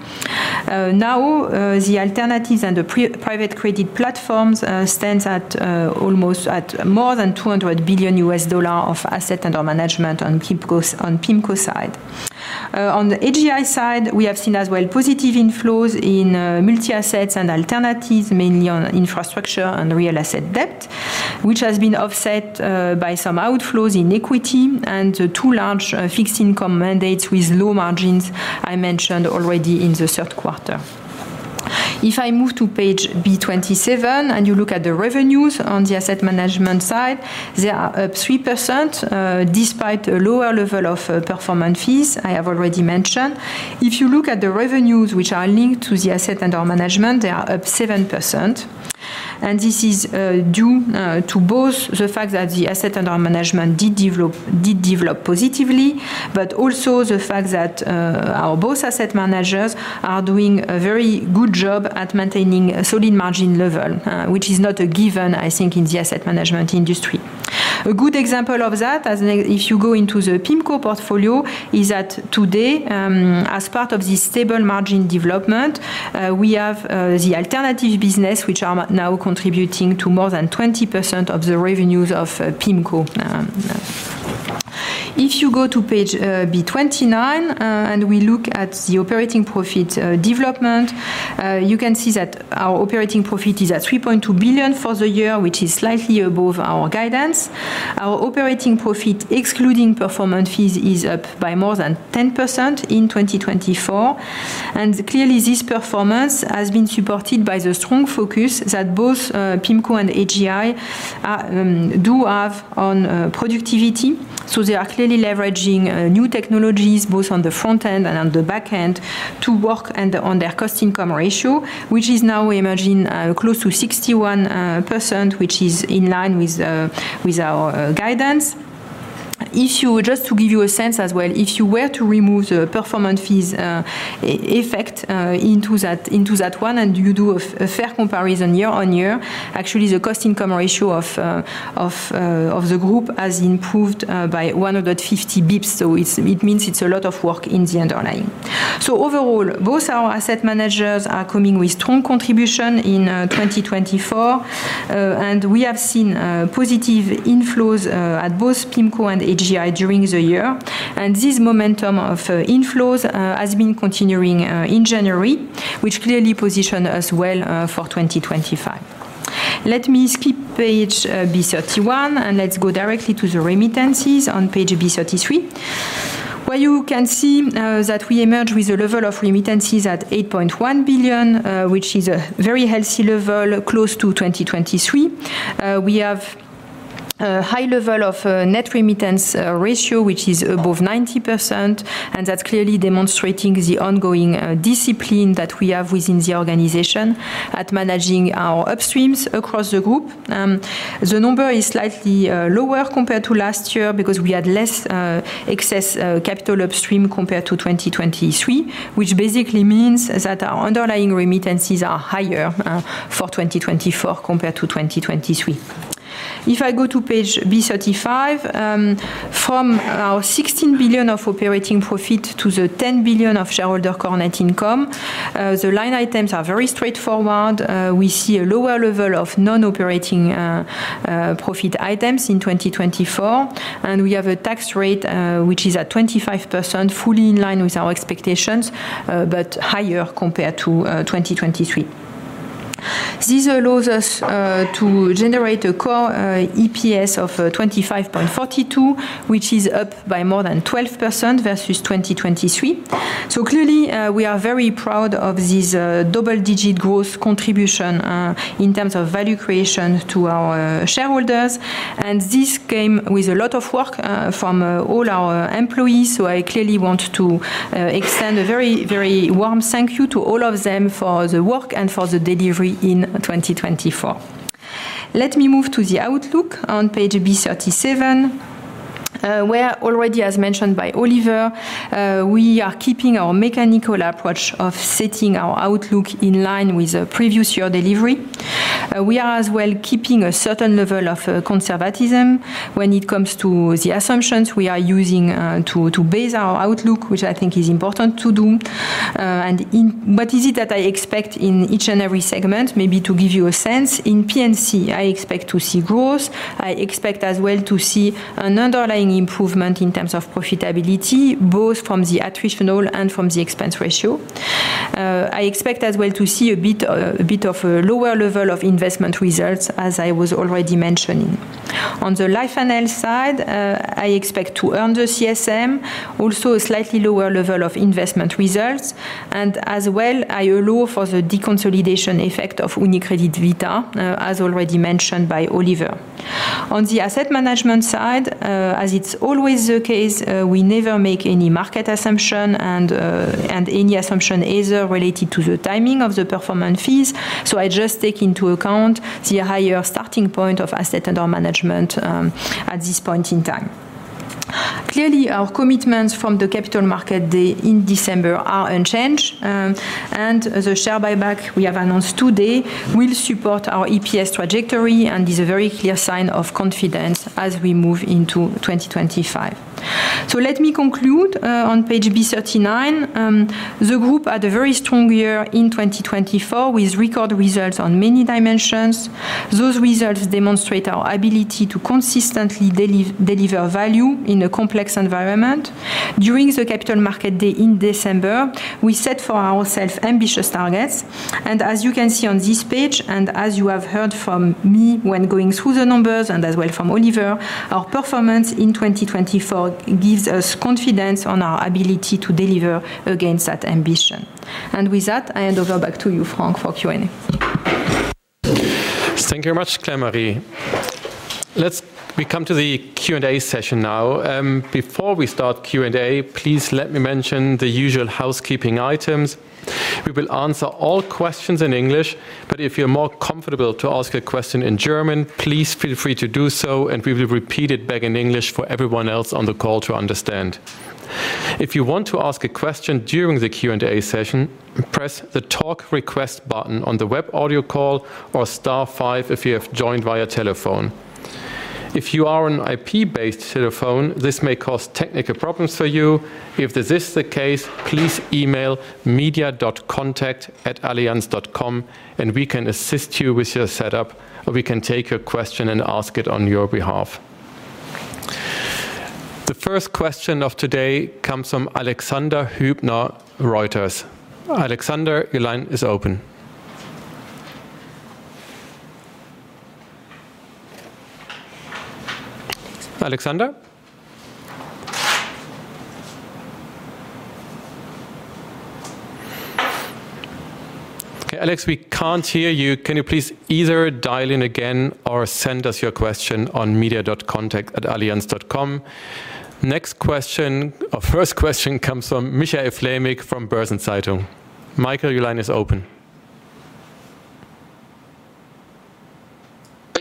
S3: Now, the alternatives and the private credit platforms stand at almost more than $200 billion of assets under management on PIMCO side. On the AGI side, we have seen as well positive inflows in multi-assets and alternatives, mainly on infrastructure and real asset debt, which has been offset by some outflows in equity and two large fixed income mandates with low margins I mentioned already in the third quarter. If I move to page B27 and you look at the revenues on the Asset Management side, they are up 3% despite a lower level of performance fees I have already mentioned. If you look at the revenues, which are linked to the asset under management, they are up 7%, and this is due to both the fact that the asset under management did develop positively, but also the fact that our both asset managers are doing a very good job at maintaining a solid margin level, which is not a given, I think, in the Asset Management industry. A good example of that, if you go into the PIMCO portfolio, is that today, as part of this stable margin development, we have the alternative business, which are now contributing to more than 20% of the revenues of PIMCO. If you go to page B29 and we look at the operating profit development, you can see that our operating profit is at 3.2 billion for the year, which is slightly above our guidance. Our operating profit, excluding performance fees, is up by more than 10% in 2024, and clearly, this performance has been supported by the strong focus that both PIMCO and AGI do have on productivity, so they are clearly leveraging new technologies both on the front end and on the back end to work on their cost income ratio, which is now emerging close to 61%, which is in line with our guidance. Just to give you a sense as well, if you were to remove the performance fees effect into that one and you do a fair comparison year on year, actually the cost income ratio of the group has improved by 150 basis points. It means it's a lot of work in the underlying. Overall, both our asset managers are coming with strong contribution in 2024, and we have seen positive inflows at both PIMCO and AGI during the year. This momentum of inflows has been continuing in January, which clearly positioned us well for 2025. Let me skip page B31 and let's go directly to the remittances on page B33, where you can see that we emerge with a level of remittances at 8.1 billion, which is a very healthy level close to 2023. We have a high level of net remittance ratio, which is above 90%, and that's clearly demonstrating the ongoing discipline that we have within the organization at managing our upstreams across the group. The number is slightly lower compared to last year because we had less excess capital upstream compared to 2023, which basically means that our underlying remittances are higher for 2024 compared to 2023. If I go to page B35, from our 16 billion of operating profit to the 10 billion of shareholder net income, the line items are very straightforward. We see a lower level of non-operating profit items in 2024, and we have a tax rate which is at 25%, fully in line with our expectations, but higher compared to 2023. These allow us to generate a core EPS of 25.42, which is up by more than 12% versus 2023. So clearly, we are very proud of this double-digit growth contribution in terms of value creation to our shareholders. This came with a lot of work from all our employees, so I clearly want to extend a very, very warm thank you to all of them for the work and for the delivery in 2024. Let me move to the outlook on page B37, where already, as mentioned by Oliver, we are keeping our mechanical approach of setting our outlook in line with the previous year delivery. We are as well keeping a certain level of conservatism when it comes to the assumptions we are using to base our outlook, which I think is important to do. What is it that I expect in each and every segment? Maybe to give you a sense. In P&C, I expect to see growth. I expect as well to see an underlying improvement in terms of profitability, both from the attritional and from the expense ratio. I expect as well to see a bit of a lower level of investment results, as I was already mentioning. On the Life and Health side, I expect to earn the CSM, also a slightly lower level of investment results, and as well, I allow for the deconsolidation effect of UniCredit Vita, as already mentioned by Oliver. On the Asset Management side, as it's always the case, we never make any market assumption and any assumption either related to the timing of the performance fees, so I just take into account the higher starting point of asset under management at this point in time. Clearly, our commitments from the Capital Market Day in December are unchanged, and the share buyback we have announced today will support our EPS trajectory, and it's a very clear sign of confidence as we move into 2025, so let me conclude on page B39. The group had a very strong year in 2024 with record results on many dimensions. Those results demonstrate our ability to consistently deliver value in a complex environment. During the Capital Market Day in December, we set for ourselves ambitious targets. And as you can see on this page, and as you have heard from me when going through the numbers and as well from Oliver, our performance in 2024 gives us confidence on our ability to deliver against that ambition. And with that, I hand over back to you, Frank, for Q&A.
S1: Thank you very much, Claire-Marie. Let's come to the Q&A session now. Before we start Q&A, please let me mention the usual housekeeping items. We will answer all questions in English, but if you're more comfortable to ask a question in German, please feel free to do so, and we will repeat it back in English for everyone else on the call to understand. If you want to ask a question during the Q&A session, press the talk request button on the web audio call or star five if you have joined via telephone. If you are on IP-based telephone, this may cause technical problems for you. If this is the case, please email media.contact@allianz.com, and we can assist you with your setup, or we can take your question and ask it on your behalf. The first question of today comes from Alexander Hübner, Reuters. Alexander, your line is open. Alexander? Okay, Alex, we can't hear you. Can you please either dial in again or send us your question on media.contact@allianz.com? Next question, or first question, comes from Michael Flämig from Börsen-Zeitung. Michael, your line is open.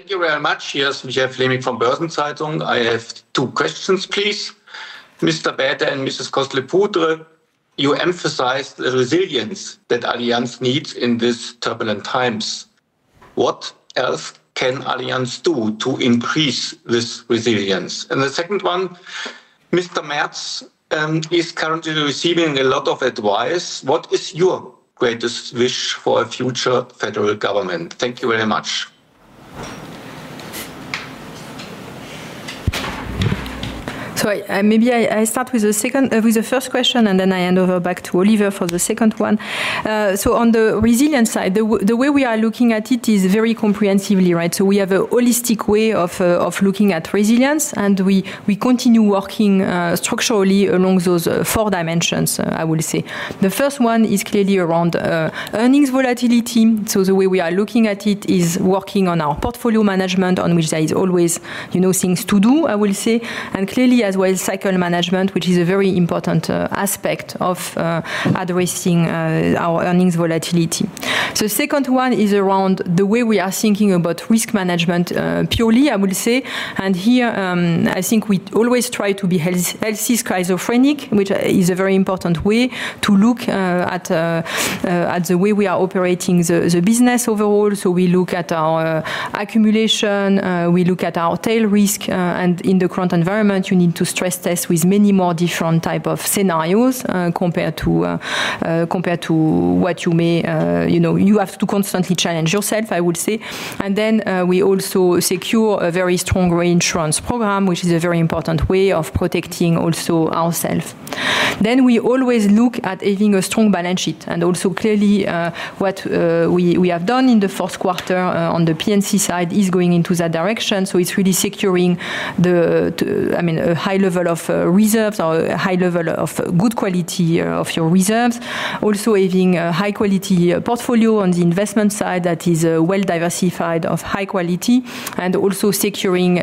S4: Thank you very much. Here's Michael Flämig from Börsen-Zeitung. I have two questions, please. Mr. Bäte and Mrs. Coste-Lepoutre, you emphasized the resilience that Allianz needs in these turbulent times. What else can Allianz do to increase this resilience? And the second one, Mr. Merz is currently receiving a lot of advice. What is your greatest wish for a future federal government? Thank you very much.
S3: So maybe I start with the first question, and then I hand over back to Oliver for the second one. So on the resilience side, the way we are looking at it is very comprehensively, right? So we have a holistic way of looking at resilience, and we continue working structurally along those four dimensions, I will say. The first one is clearly around earnings volatility. So the way we are looking at it is working on our portfolio management, on which there is always things to do, I will say. And clearly, as well, cycle management, which is a very important aspect of addressing our earnings volatility. The second one is around the way we are thinking about risk management purely, I will say. And here, I think we always try to be healthy schizophrenic, which is a very important way to look at the way we are operating the business overall. So we look at our accumulation, we look at our tail risk, and in the current environment, you need to stress test with many more different types of scenarios compared to what you may have to constantly challenge yourself, I would say. And then we also secure a very strong reinsurance program, which is a very important way of protecting also ourselves. Then we always look at having a strong balance sheet. And also clearly, what we have done in the fourth quarter on the P&C side is going into that direction. So it's really securing a high level of reserves or a high level of good quality of your reserves. Also having a high-quality portfolio on the investment side that is well-diversified, of high quality, and also securing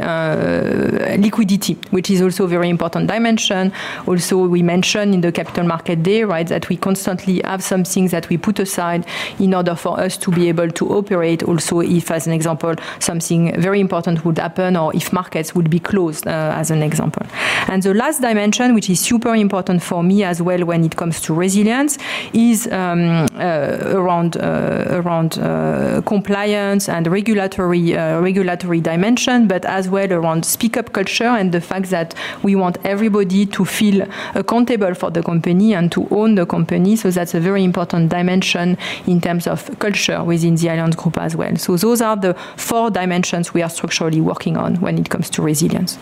S3: liquidity, which is also a very important dimension. Also, we mentioned in the Capital Market Day, right, that we constantly have some things that we put aside in order for us to be able to operate also if, as an example, something very important would happen or if markets would be closed, as an example. The last dimension, which is super important for me as well when it comes to resilience, is around compliance and regulatory dimension, but as well around speak-up culture and the fact that we want everybody to feel accountable for the company and to own the company. That's a very important dimension in terms of culture within the Allianz Group as well. Those are the four dimensions we are structurally working on when it comes to resilience.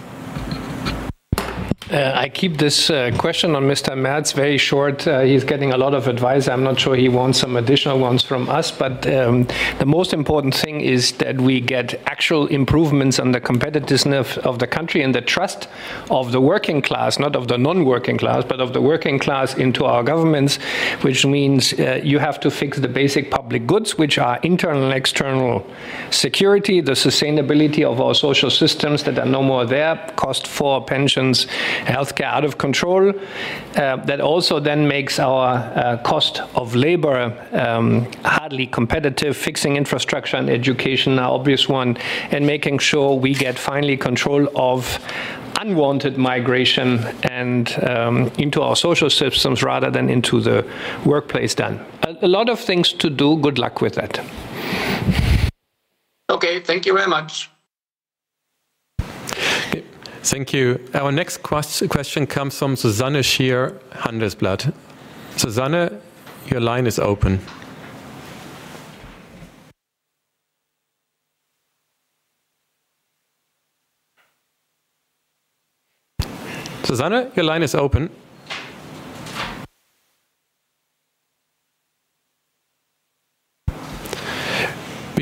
S2: I keep this question on Mr. Merz very short. He's getting a lot of advice. I'm not sure he wants some additional ones from us, but the most important thing is that we get actual improvements on the competitiveness of the country and the trust of the working class, not of the non-working class, but of the working class into our governments, which means you have to fix the basic public goods, which are internal and external security, the sustainability of our social systems that are no more there, cost for pensions, healthcare out of control. That also then makes our cost of labor hardly competitive, fixing infrastructure and education, an obvious one, and making sure we get finally control of unwanted migration into our social systems rather than into the workplace then. A lot of things to do. Good luck with that.
S4: Okay, thank you very much.
S1: Thank you. Our next question comes from Susanne Schier, Handelsblatt. Susanne, your line is open.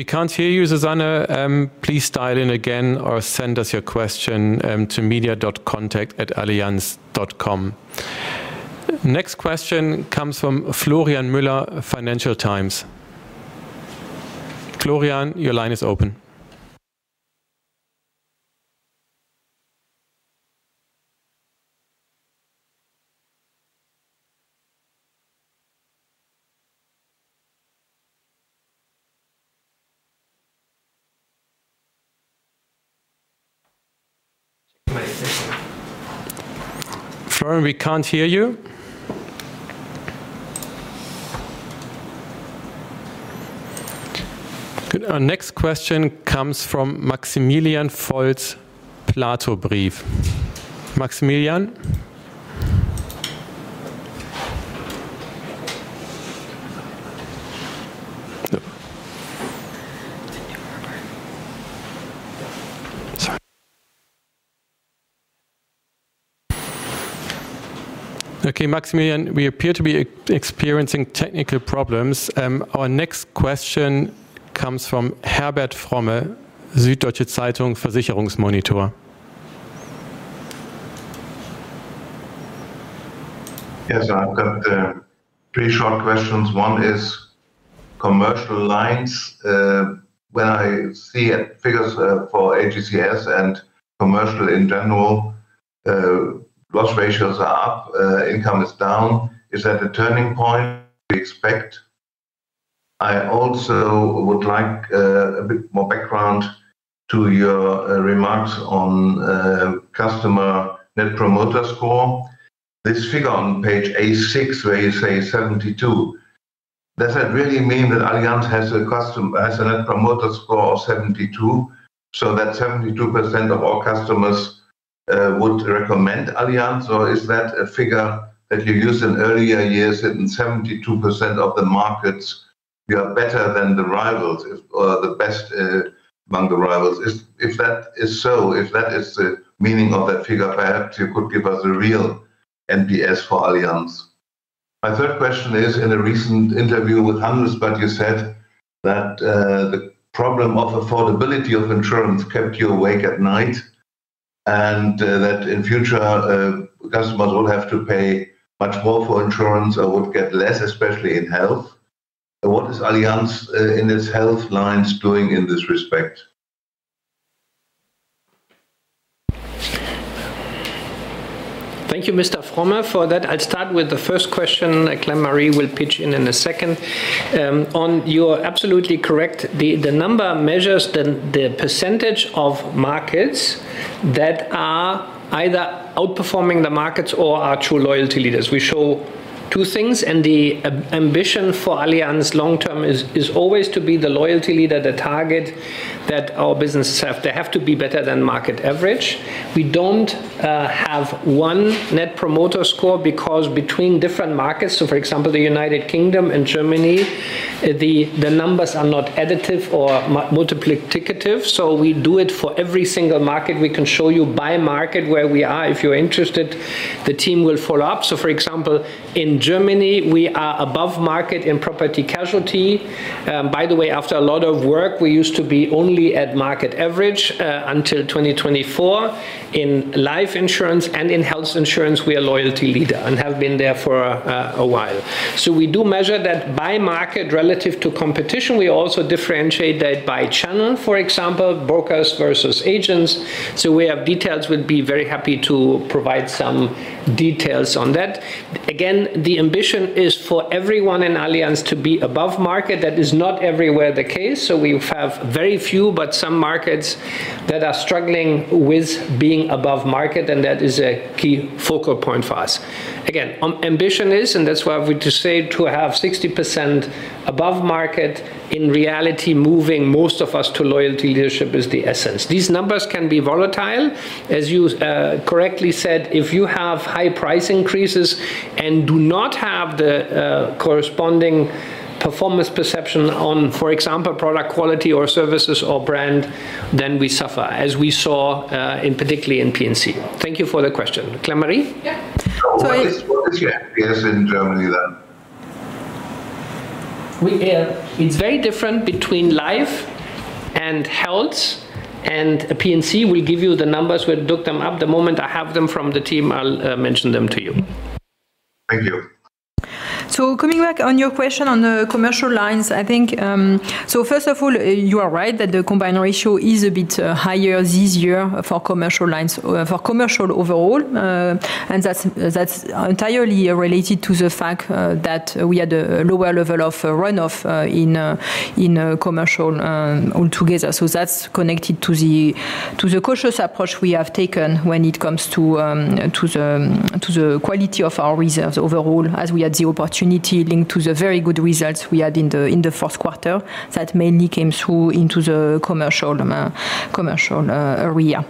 S1: Susanne, your line is open. We can't hear you, Susanne. Please dial in again or send us your question to media.contact@allianz.com. Next question comes from Florian Müller, Financial Times. Florian, your line is open. Florian, we can't hear you. Our next question comes from Maximilian Volz, PLATOW Brief. Maximilian? Okay, Maximilian, we appear to be experiencing technical problems. Our next question comes from Herbert Fromme, Süddeutsche Zeitung, Versicherungsmonitor.
S5: Yes, I've got three short questions. One is commercial lines. When I see figures for AGCS and commercial in general, loss ratios are up, income is down. Is that a turning point we expect? I also would like a bit more background to your remarks on customer Net Promoter Score. This figure on page A6, where you say 72, does that really mean that Allianz has a Net Promoter Score of 72, so that 72% of our customers would recommend Allianz? Or is that a figure that you used in earlier years, that in 72% of the markets, you are better than the rivals or the best among the rivals? If that is so, if that is the meaning of that figure, perhaps you could give us a real NPS for Allianz. My third question is, in a recent interview with Handelsblatt, you said that the problem of affordability of insurance kept you awake at night and that in future, customers will have to pay much more for insurance or would get less, especially in health. What is Allianz in its health lines doing in this respect?
S2: Thank you, Mr. Fromme, for that. I'll start with the first question. Claire-Marie will pitch in in a second. You're absolutely correct, the number measures the percentage of markets that are either outperforming the markets or are true loyalty leaders. We show two things, and the ambition for Allianz long-term is always to be the loyalty leader, the target that our businesses have. They have to be better than market average. We don't have one Net Promoter Score because between different markets, so for example, the United Kingdom and Germany, the numbers are not additive or multiplicative. So we do it for every single market. We can show you by market where we are. If you're interested, the team will follow up. So for example, in Germany, we are above market in property-casualty. By the way, after a lot of work, we used to be only at market average until 2024. In life insurance and in health insurance, we are loyalty leader and have been there for a while. So we do measure that by market relative to competition. We also differentiate that by channel, for example, brokers versus agents. So we have details. We'd be very happy to provide some details on that. Again, the ambition is for everyone in Allianz to be above market. That is not everywhere the case. So we have very few, but some markets that are struggling with being above market, and that is a key focal point for us. Again, ambition is, and that's why we say to have 60% above market. In reality, moving most of us to loyalty leadership is the essence. These numbers can be volatile. As you correctly said, if you have high price increases and do not have the corresponding performance perception on, for example, product quality or services or brand, then we suffer, as we saw particularly in P&C. Thank you for the question. Claire-Marie?
S5: Yeah. What is your NPS in Germany then? It's very different between Life and Health, and P&C will give you the numbers. We'll look them up. The moment I have them from the team, I'll mention them to you. Thank you.
S3: So coming back on your question on the commercial lines, I think, so first of all, you are right that the combined ratio is a bit higher this year for commercial lines, for commercial overall, and that's entirely related to the fact that we had a lower level of runoff in commercial altogether. So that's connected to the cautious approach we have taken when it comes to the quality of our reserves overall, as we had the opportunity linked to the very good results we had in the fourth quarter that mainly came through into the commercial area.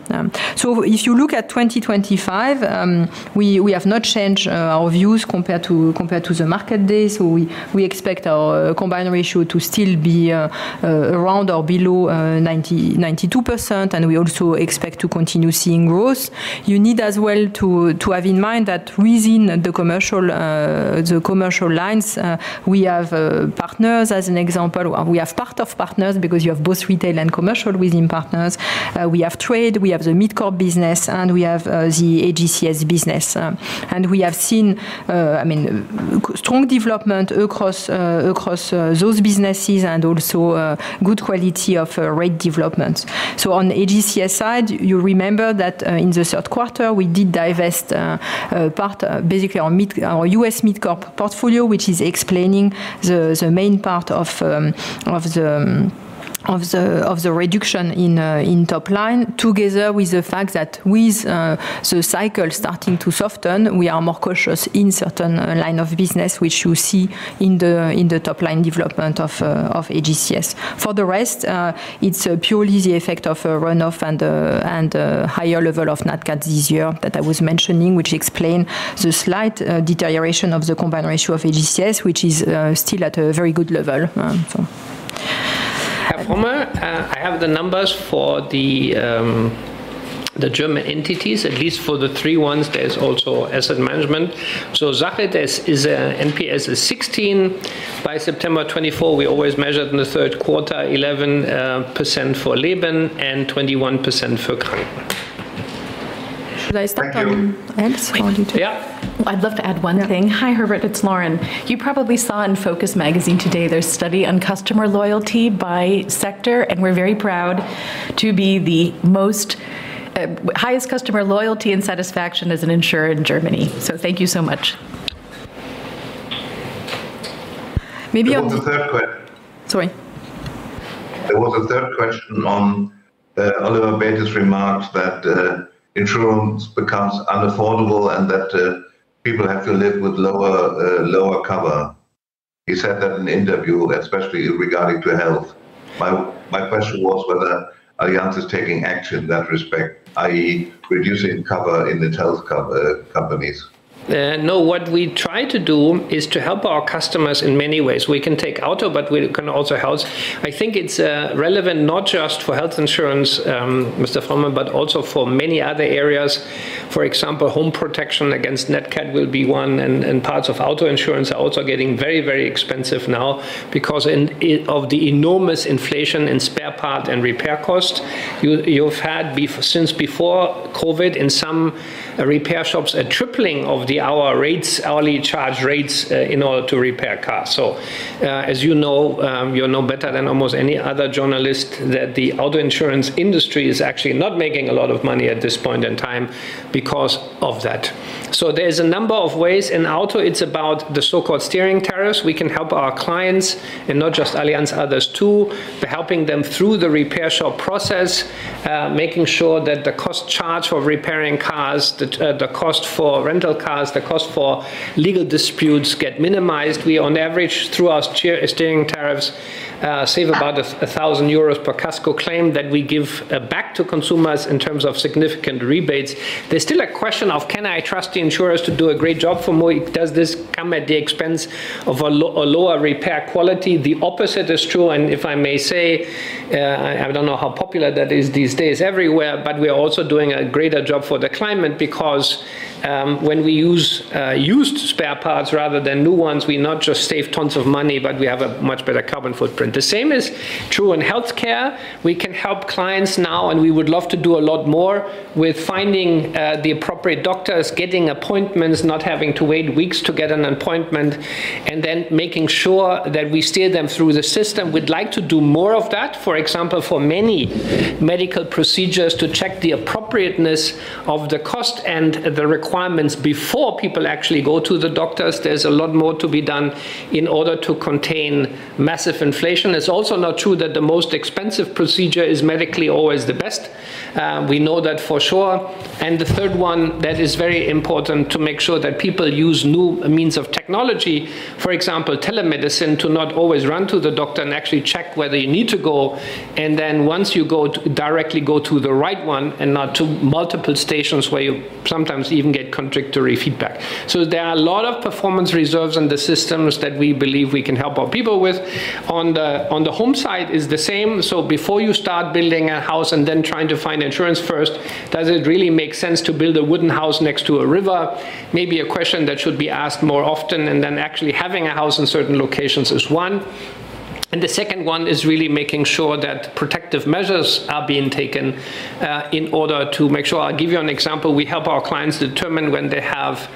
S3: So if you look at 2025, we have not changed our views compared to the market day. We expect our combined ratio to still be around or below 92%, and we also expect to continue seeing growth. You need as well to have in mind that within the commercial lines, we have Partners, as an example, or we have part of Partners because you have both retail and commercial within Partners. We have Trade, we have the MidCorp business, and we have the AGCS business. We have seen, I mean, strong development across those businesses and also good quality of rate developments. On AGCS side, you remember that in the third quarter, we did divest part, basically our U.S. MidCorp portfolio, which is explaining the main part of the reduction in top line together with the fact that with the cycle starting to soften, we are more cautious in certain line of business, which you see in the top line development of AGCS. For the rest, it's purely the effect of runoff and higher level of NatCat this year that I was mentioning, which explains the slight deterioration of the combined ratio of AGCS, which is still at a very good level.
S2: Herr Fromme, I have the numbers for the German entities, at least for the three ones. There's also Asset Management. So Sach is NPS 16 by September 2024. We always measured in the third quarter, 11% for Leben and 21% for Krank.
S6: Should I start on Allianz?
S2: Yeah.
S6: I'd love to add one thing. Hi, Herbert. It's Lauren. You probably saw in Focus Magazine today their study on customer loyalty by sector, and we're very proud to be the highest customer loyalty and satisfaction as an insurer in Germany. So thank you so much. Maybe on.
S5: The third question.
S6: Sorry.
S5: There was a third question on Oliver Bäte's remark that insurance becomes unaffordable and that people have to live with lower cover. He said that in interview, especially regarding health. My question was whether Allianz is taking action in that respect, i.e., reducing cover in its health companies.
S2: No, what we try to do is to help our customers in many ways. We can take auto, but we can also help. I think it's relevant not just for health insurance, Mr. Fromme, but also for many other areas. For example, home protection against NatCat will be one, and parts of auto insurance are also getting very, very expensive now because of the enormous inflation in spare part and repair cost. You've had since before COVID in some repair shops a tripling of our rates, hourly charge rates in order to repair cars. So as you know, you know better than almost any other journalist that the auto insurance industry is actually not making a lot of money at this point in time because of that. So there's a number of ways in auto. It's about the so-called steering tariffs. We can help our clients and not just Allianz, others too, by helping them through the repair shop process, making sure that the cost charge for repairing cars, the cost for rental cars, the cost for legal disputes get minimized. We, on average, through our steering tariffs, save about 1,000 euros per casco claim that we give back to consumers in terms of significant rebates. There's still a question of, can I trust the insurers to do a great job for more? Does this come at the expense of a lower repair quality? The opposite is true. If I may say, I don't know how popular that is these days everywhere, but we are also doing a greater job for the climate because when we use used spare parts rather than new ones, we not just save tons of money, but we have a much better carbon footprint. The same is true in healthcare. We can help clients now, and we would love to do a lot more with finding the appropriate doctors, getting appointments, not having to wait weeks to get an appointment, and then making sure that we steer them through the system. We'd like to do more of that, for example, for many medical procedures to check the appropriateness of the cost and the requirements before people actually go to the doctors. There's a lot more to be done in order to contain massive inflation. It's also not true that the most expensive procedure is medically always the best. We know that for sure, and the third one that is very important to make sure that people use new means of technology, for example, telemedicine, to not always run to the doctor and actually check whether you need to go, and then once you go directly, go to the right one and not to multiple stations where you sometimes even get contradictory feedback, so there are a lot of performance reserves in the systems that we believe we can help our people with. On the home side is the same, so before you start building a house and then trying to find insurance first, does it really make sense to build a wooden house next to a river? Maybe a question that should be asked more often. And then actually having a house in certain locations is one. And the second one is really making sure that protective measures are being taken in order to make sure. I'll give you an example. We help our clients determine when they have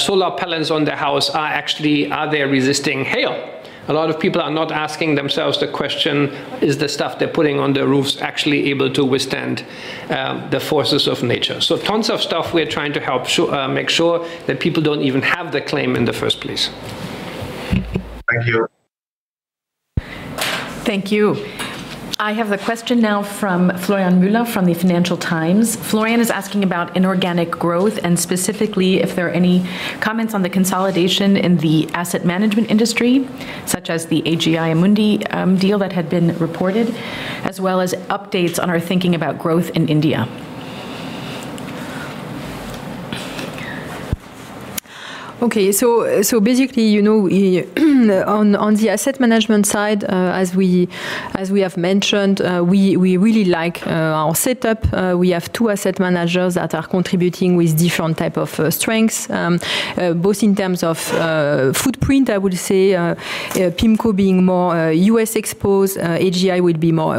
S2: solar panels on their house, are they resisting hail? A lot of people are not asking themselves the question, is the stuff they're putting on the roofs actually able to withstand the forces of nature? So tons of stuff we're trying to help make sure that people don't even have the claim in the first place.
S5: Thank you.
S6: Thank you. I have the question now from Florian Müller from the Financial Times. Florian is asking about inorganic growth and specifically if there are any comments on the consolidation in the Asset Management industry, such as the AGI Amundi deal that had been reported, as well as updates on our thinking about growth in India.
S3: Okay. So basically, on the Asset Management side, as we have mentioned, we really like our setup. We have two asset managers that are contributing with different types of strengths, both in terms of footprint, I would say, PIMCO being more U.S. exposed, AGI would be more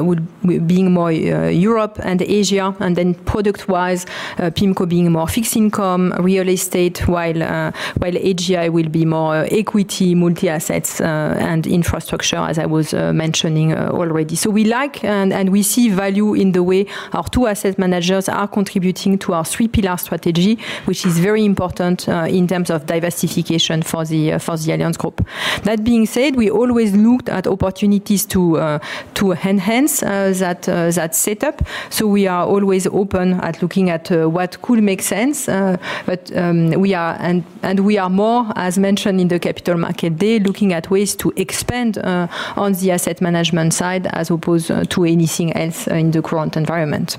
S3: Europe and Asia. And then product-wise, PIMCO being more fixed income, real estate, while AGI will be more equity, multi-assets, and infrastructure, as I was mentioning already. So we like and we see value in the way our two asset managers are contributing to our three-pillar strategy, which is very important in terms of diversification for the Allianz Group. That being said, we always looked at opportunities to enhance that setup. So we are always open to looking at what could make sense. And we are, as mentioned in the Capital Market Day, looking at ways to expand on the Asset Management side as opposed to anything else in the current environment.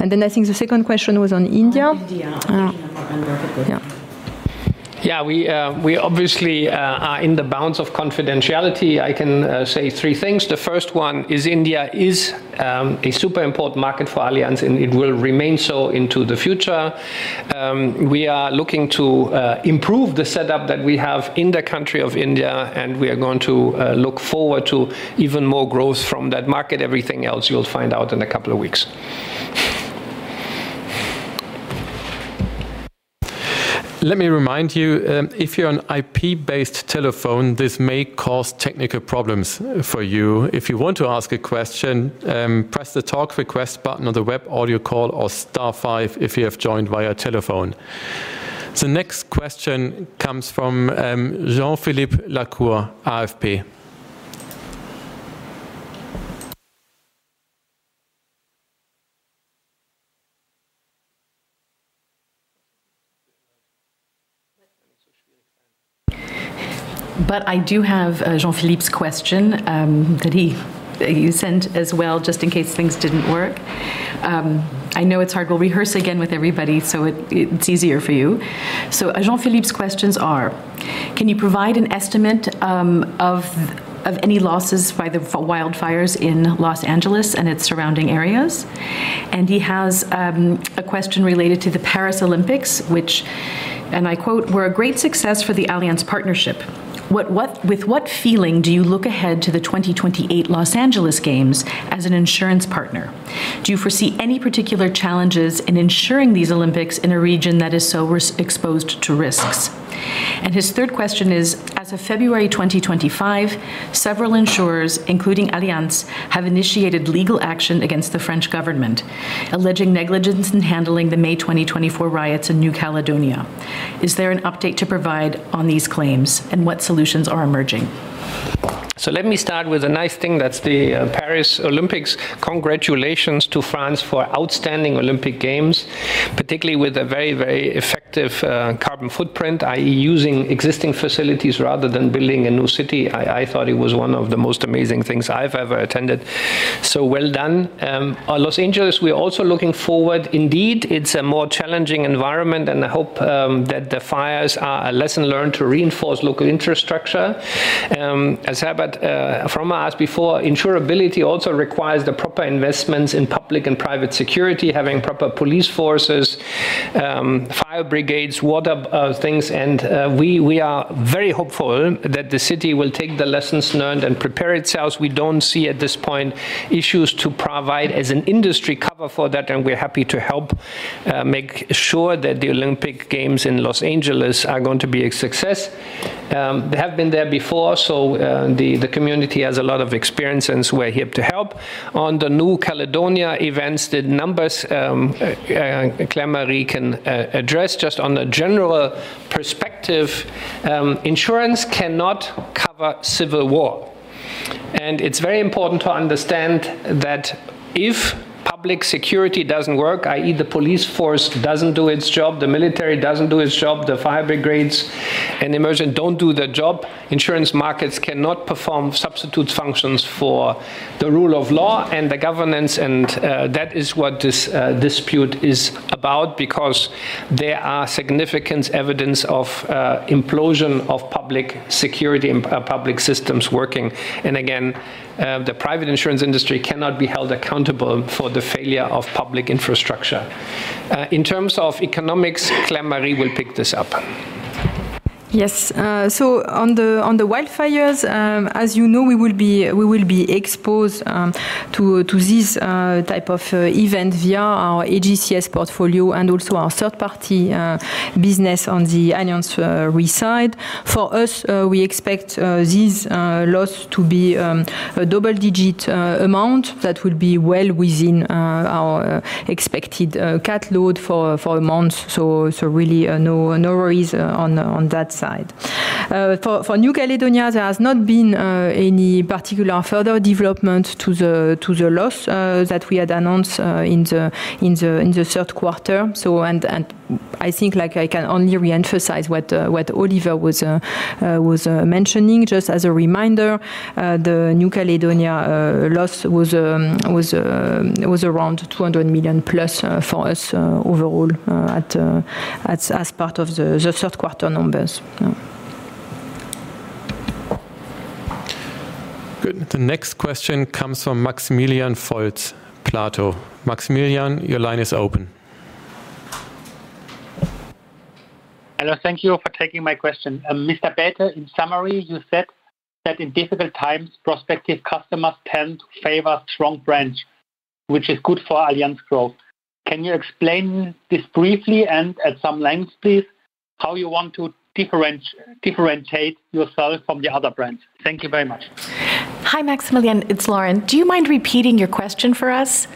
S3: And then I think the second question was on India.
S6: India.
S2: Yeah. We obviously are in the bounds of confidentiality. I can say three things. The first one is India is a super important market for Allianz, and it will remain so into the future. We are looking to improve the setup that we have in the country of India, and we are going to look forward to even more growth from that market. Everything else you'll find out in a couple of weeks.
S1: Let me remind you, if you're an IP-based telephone, this may cause technical problems for you. If you want to ask a question, press the talk request button on the web audio call or star five if you have joined via telephone. The next question comes from Jean-Philippe Lacour, AFP.
S6: But I do have Jean-Philippe's question that you sent as well, just in case things didn't work. I know it's hard. We'll rehearse again with everybody so it's easier for you. So Jean-Philippe's questions are: Can you provide an estimate of any losses by the wildfires in Los Angeles and its surrounding areas? And he has a question related to the Paris Olympics, which, and I quote, were a great success for the Allianz partnership. With what feeling do you look ahead to the 2028 Los Angeles Games as an insurance partner? Do you foresee any particular challenges in ensuring these Olympics in a region that is so exposed to risks? His third question is, as of February 2025, several insurers, including Allianz, have initiated legal action against the French government, alleging negligence in handling the May 2024 riots in New Caledonia. Is there an update to provide on these claims, and what solutions are emerging?
S2: Let me start with a nice thing. That's the Paris Olympics. Congratulations to France for outstanding Olympic Games, particularly with a very, very effective carbon footprint, i.e., using existing facilities rather than building a new city. I thought it was one of the most amazing things I've ever attended. Well done. Los Angeles, we're also looking forward. Indeed, it's a more challenging environment, and I hope that the fires are a lesson learned to reinforce local infrastructure. As Herbert Fromme asked before, insurability also requires the proper investments in public and private security, having proper police forces, fire brigades, water things, and we are very hopeful that the city will take the lessons learned and prepare itself. We don't see at this point issues to provide as an industry cover for that, and we're happy to help make sure that the Olympic Games in Los Angeles are going to be a success. They have been there before, so the community has a lot of experience, and we're here to help. On the New Caledonia events, the numbers Claire-Marie can address just on a general perspective, insurance cannot cover civil war. It's very important to understand that if public security doesn't work, i.e., the police force doesn't do its job, the military doesn't do its job, the fire brigades and immersion don't do their job, insurance markets cannot perform substitute functions for the rule of law and the governance. And that is what this dispute is about because there are significant evidence of implosion of public security and public systems working. And again, the private insurance industry cannot be held accountable for the failure of public infrastructure. In terms of economics, Claire-Marie will pick this up.
S3: Yes. So on the wildfires, as you know, we will be exposed to this type of event via our AGCS portfolio and also our third-party business on the Allianz side. For us, we expect these losses to be a double-digit amount that would be well within our expected cat load for a month. So really no worries on that side. For New Caledonia, there has not been any particular further development to the loss that we had announced in the third quarter. And I think I can only re-emphasize what Oliver was mentioning. Just as a reminder, the New Caledonia loss was around 200 million plus for us overall as part of the third quarter numbers.
S1: Good. The next question comes from Maximilian Volz, PLATOW. Maximilian, your line is open.
S7: Hello. Thank you for taking my question. Mr. Bäte, in summary, you said that in difficult times, prospective customers tend to favor strong brands, which is good for Allianz growth. Can you explain this briefly and at some length, please, how you want to differentiate yourself from the other brands? Thank you very much.
S6: Hi, Maximilian. It's Lauren. Do you mind repeating your question for us?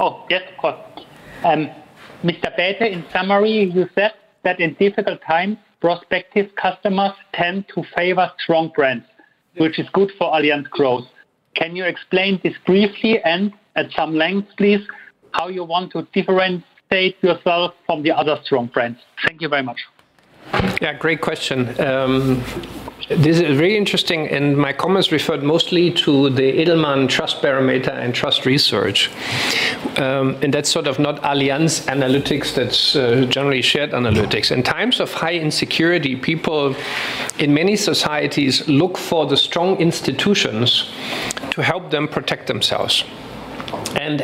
S7: Oh, yes, of course. Mr. Bäte, in summary, you said that in difficult times, prospective customers tend to favor strong brands, which is good for Allianz growth. Can you explain this briefly and at some length, please, how you want to differentiate yourself from the other strong brands? Thank you very much.
S2: Yeah, great question. This is really interesting, and my comments referred mostly to the Edelman Trust Barometer and Trust Research, and that's sort of not Allianz Analytics. That's generally shared analytics. In times of high insecurity, people in many societies look for the strong institutions to help them protect themselves, and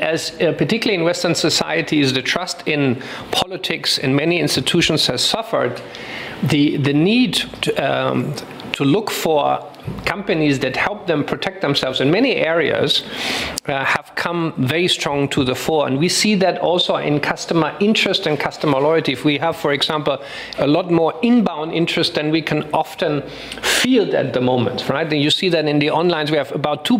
S2: particularly in Western societies, the trust in politics and many institutions has suffered. The need to look for companies that help them protect themselves in many areas has come very strong to the fore, and we see that also in customer interest and customer loyalty. If we have, for example, a lot more inbound interest than we can often field at the moment, right? And you see that in the onlines. We have about 2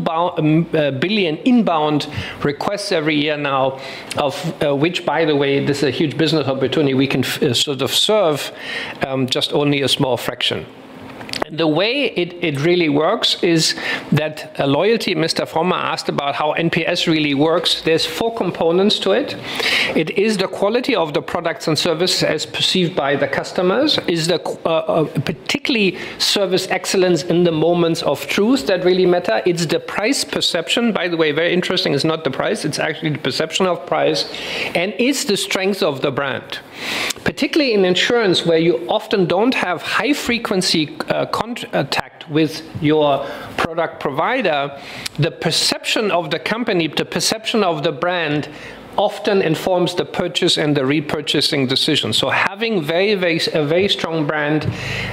S2: billion inbound requests every year now, of which, by the way, this is a huge business opportunity. We can sort of serve just only a small fraction. And the way it really works is that loyalty. Mr. Fromme asked about how NPS really works. There's four components to it. It is the quality of the products and services as perceived by the customers. It is particularly service excellence in the moments of truth that really matter. It's the price perception. By the way, very interesting. It's not the price. It's actually the perception of price. And it's the strength of the brand. Particularly in insurance, where you often don't have high-frequency contact with your product provider, the perception of the company, the perception of the brand often informs the purchase and the repurchasing decision. So having a very strong brand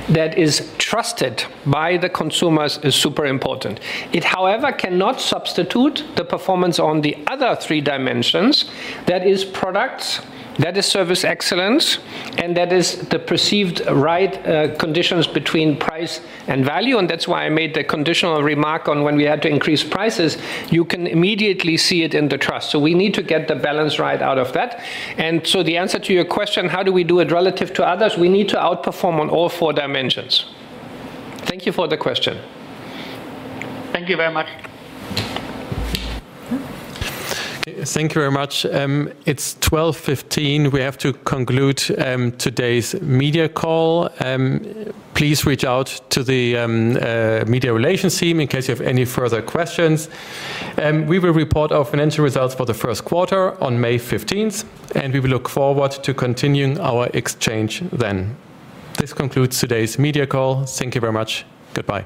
S2: that is trusted by the consumers is super important. It, however, cannot substitute the performance on the other three dimensions. That is products, that is service excellence, and that is the perceived right conditions between price and value. And that's why I made the conditional remark on when we had to increase prices. You can immediately see it in the trust. So we need to get the balance right out of that. And so the answer to your question, how do we do it relative to others? We need to outperform on all four dimensions. Thank you for the question.
S7: Thank you very much.
S1: Thank you very much. It's 12:15 P.M. We have to conclude today's media call. Please reach out to the media relations team in case you have any further questions. We will report our financial results for the first quarter on May 15th, and we will look forward to continuing our exchange then. This concludes today's media call. Thank you very much. Goodbye.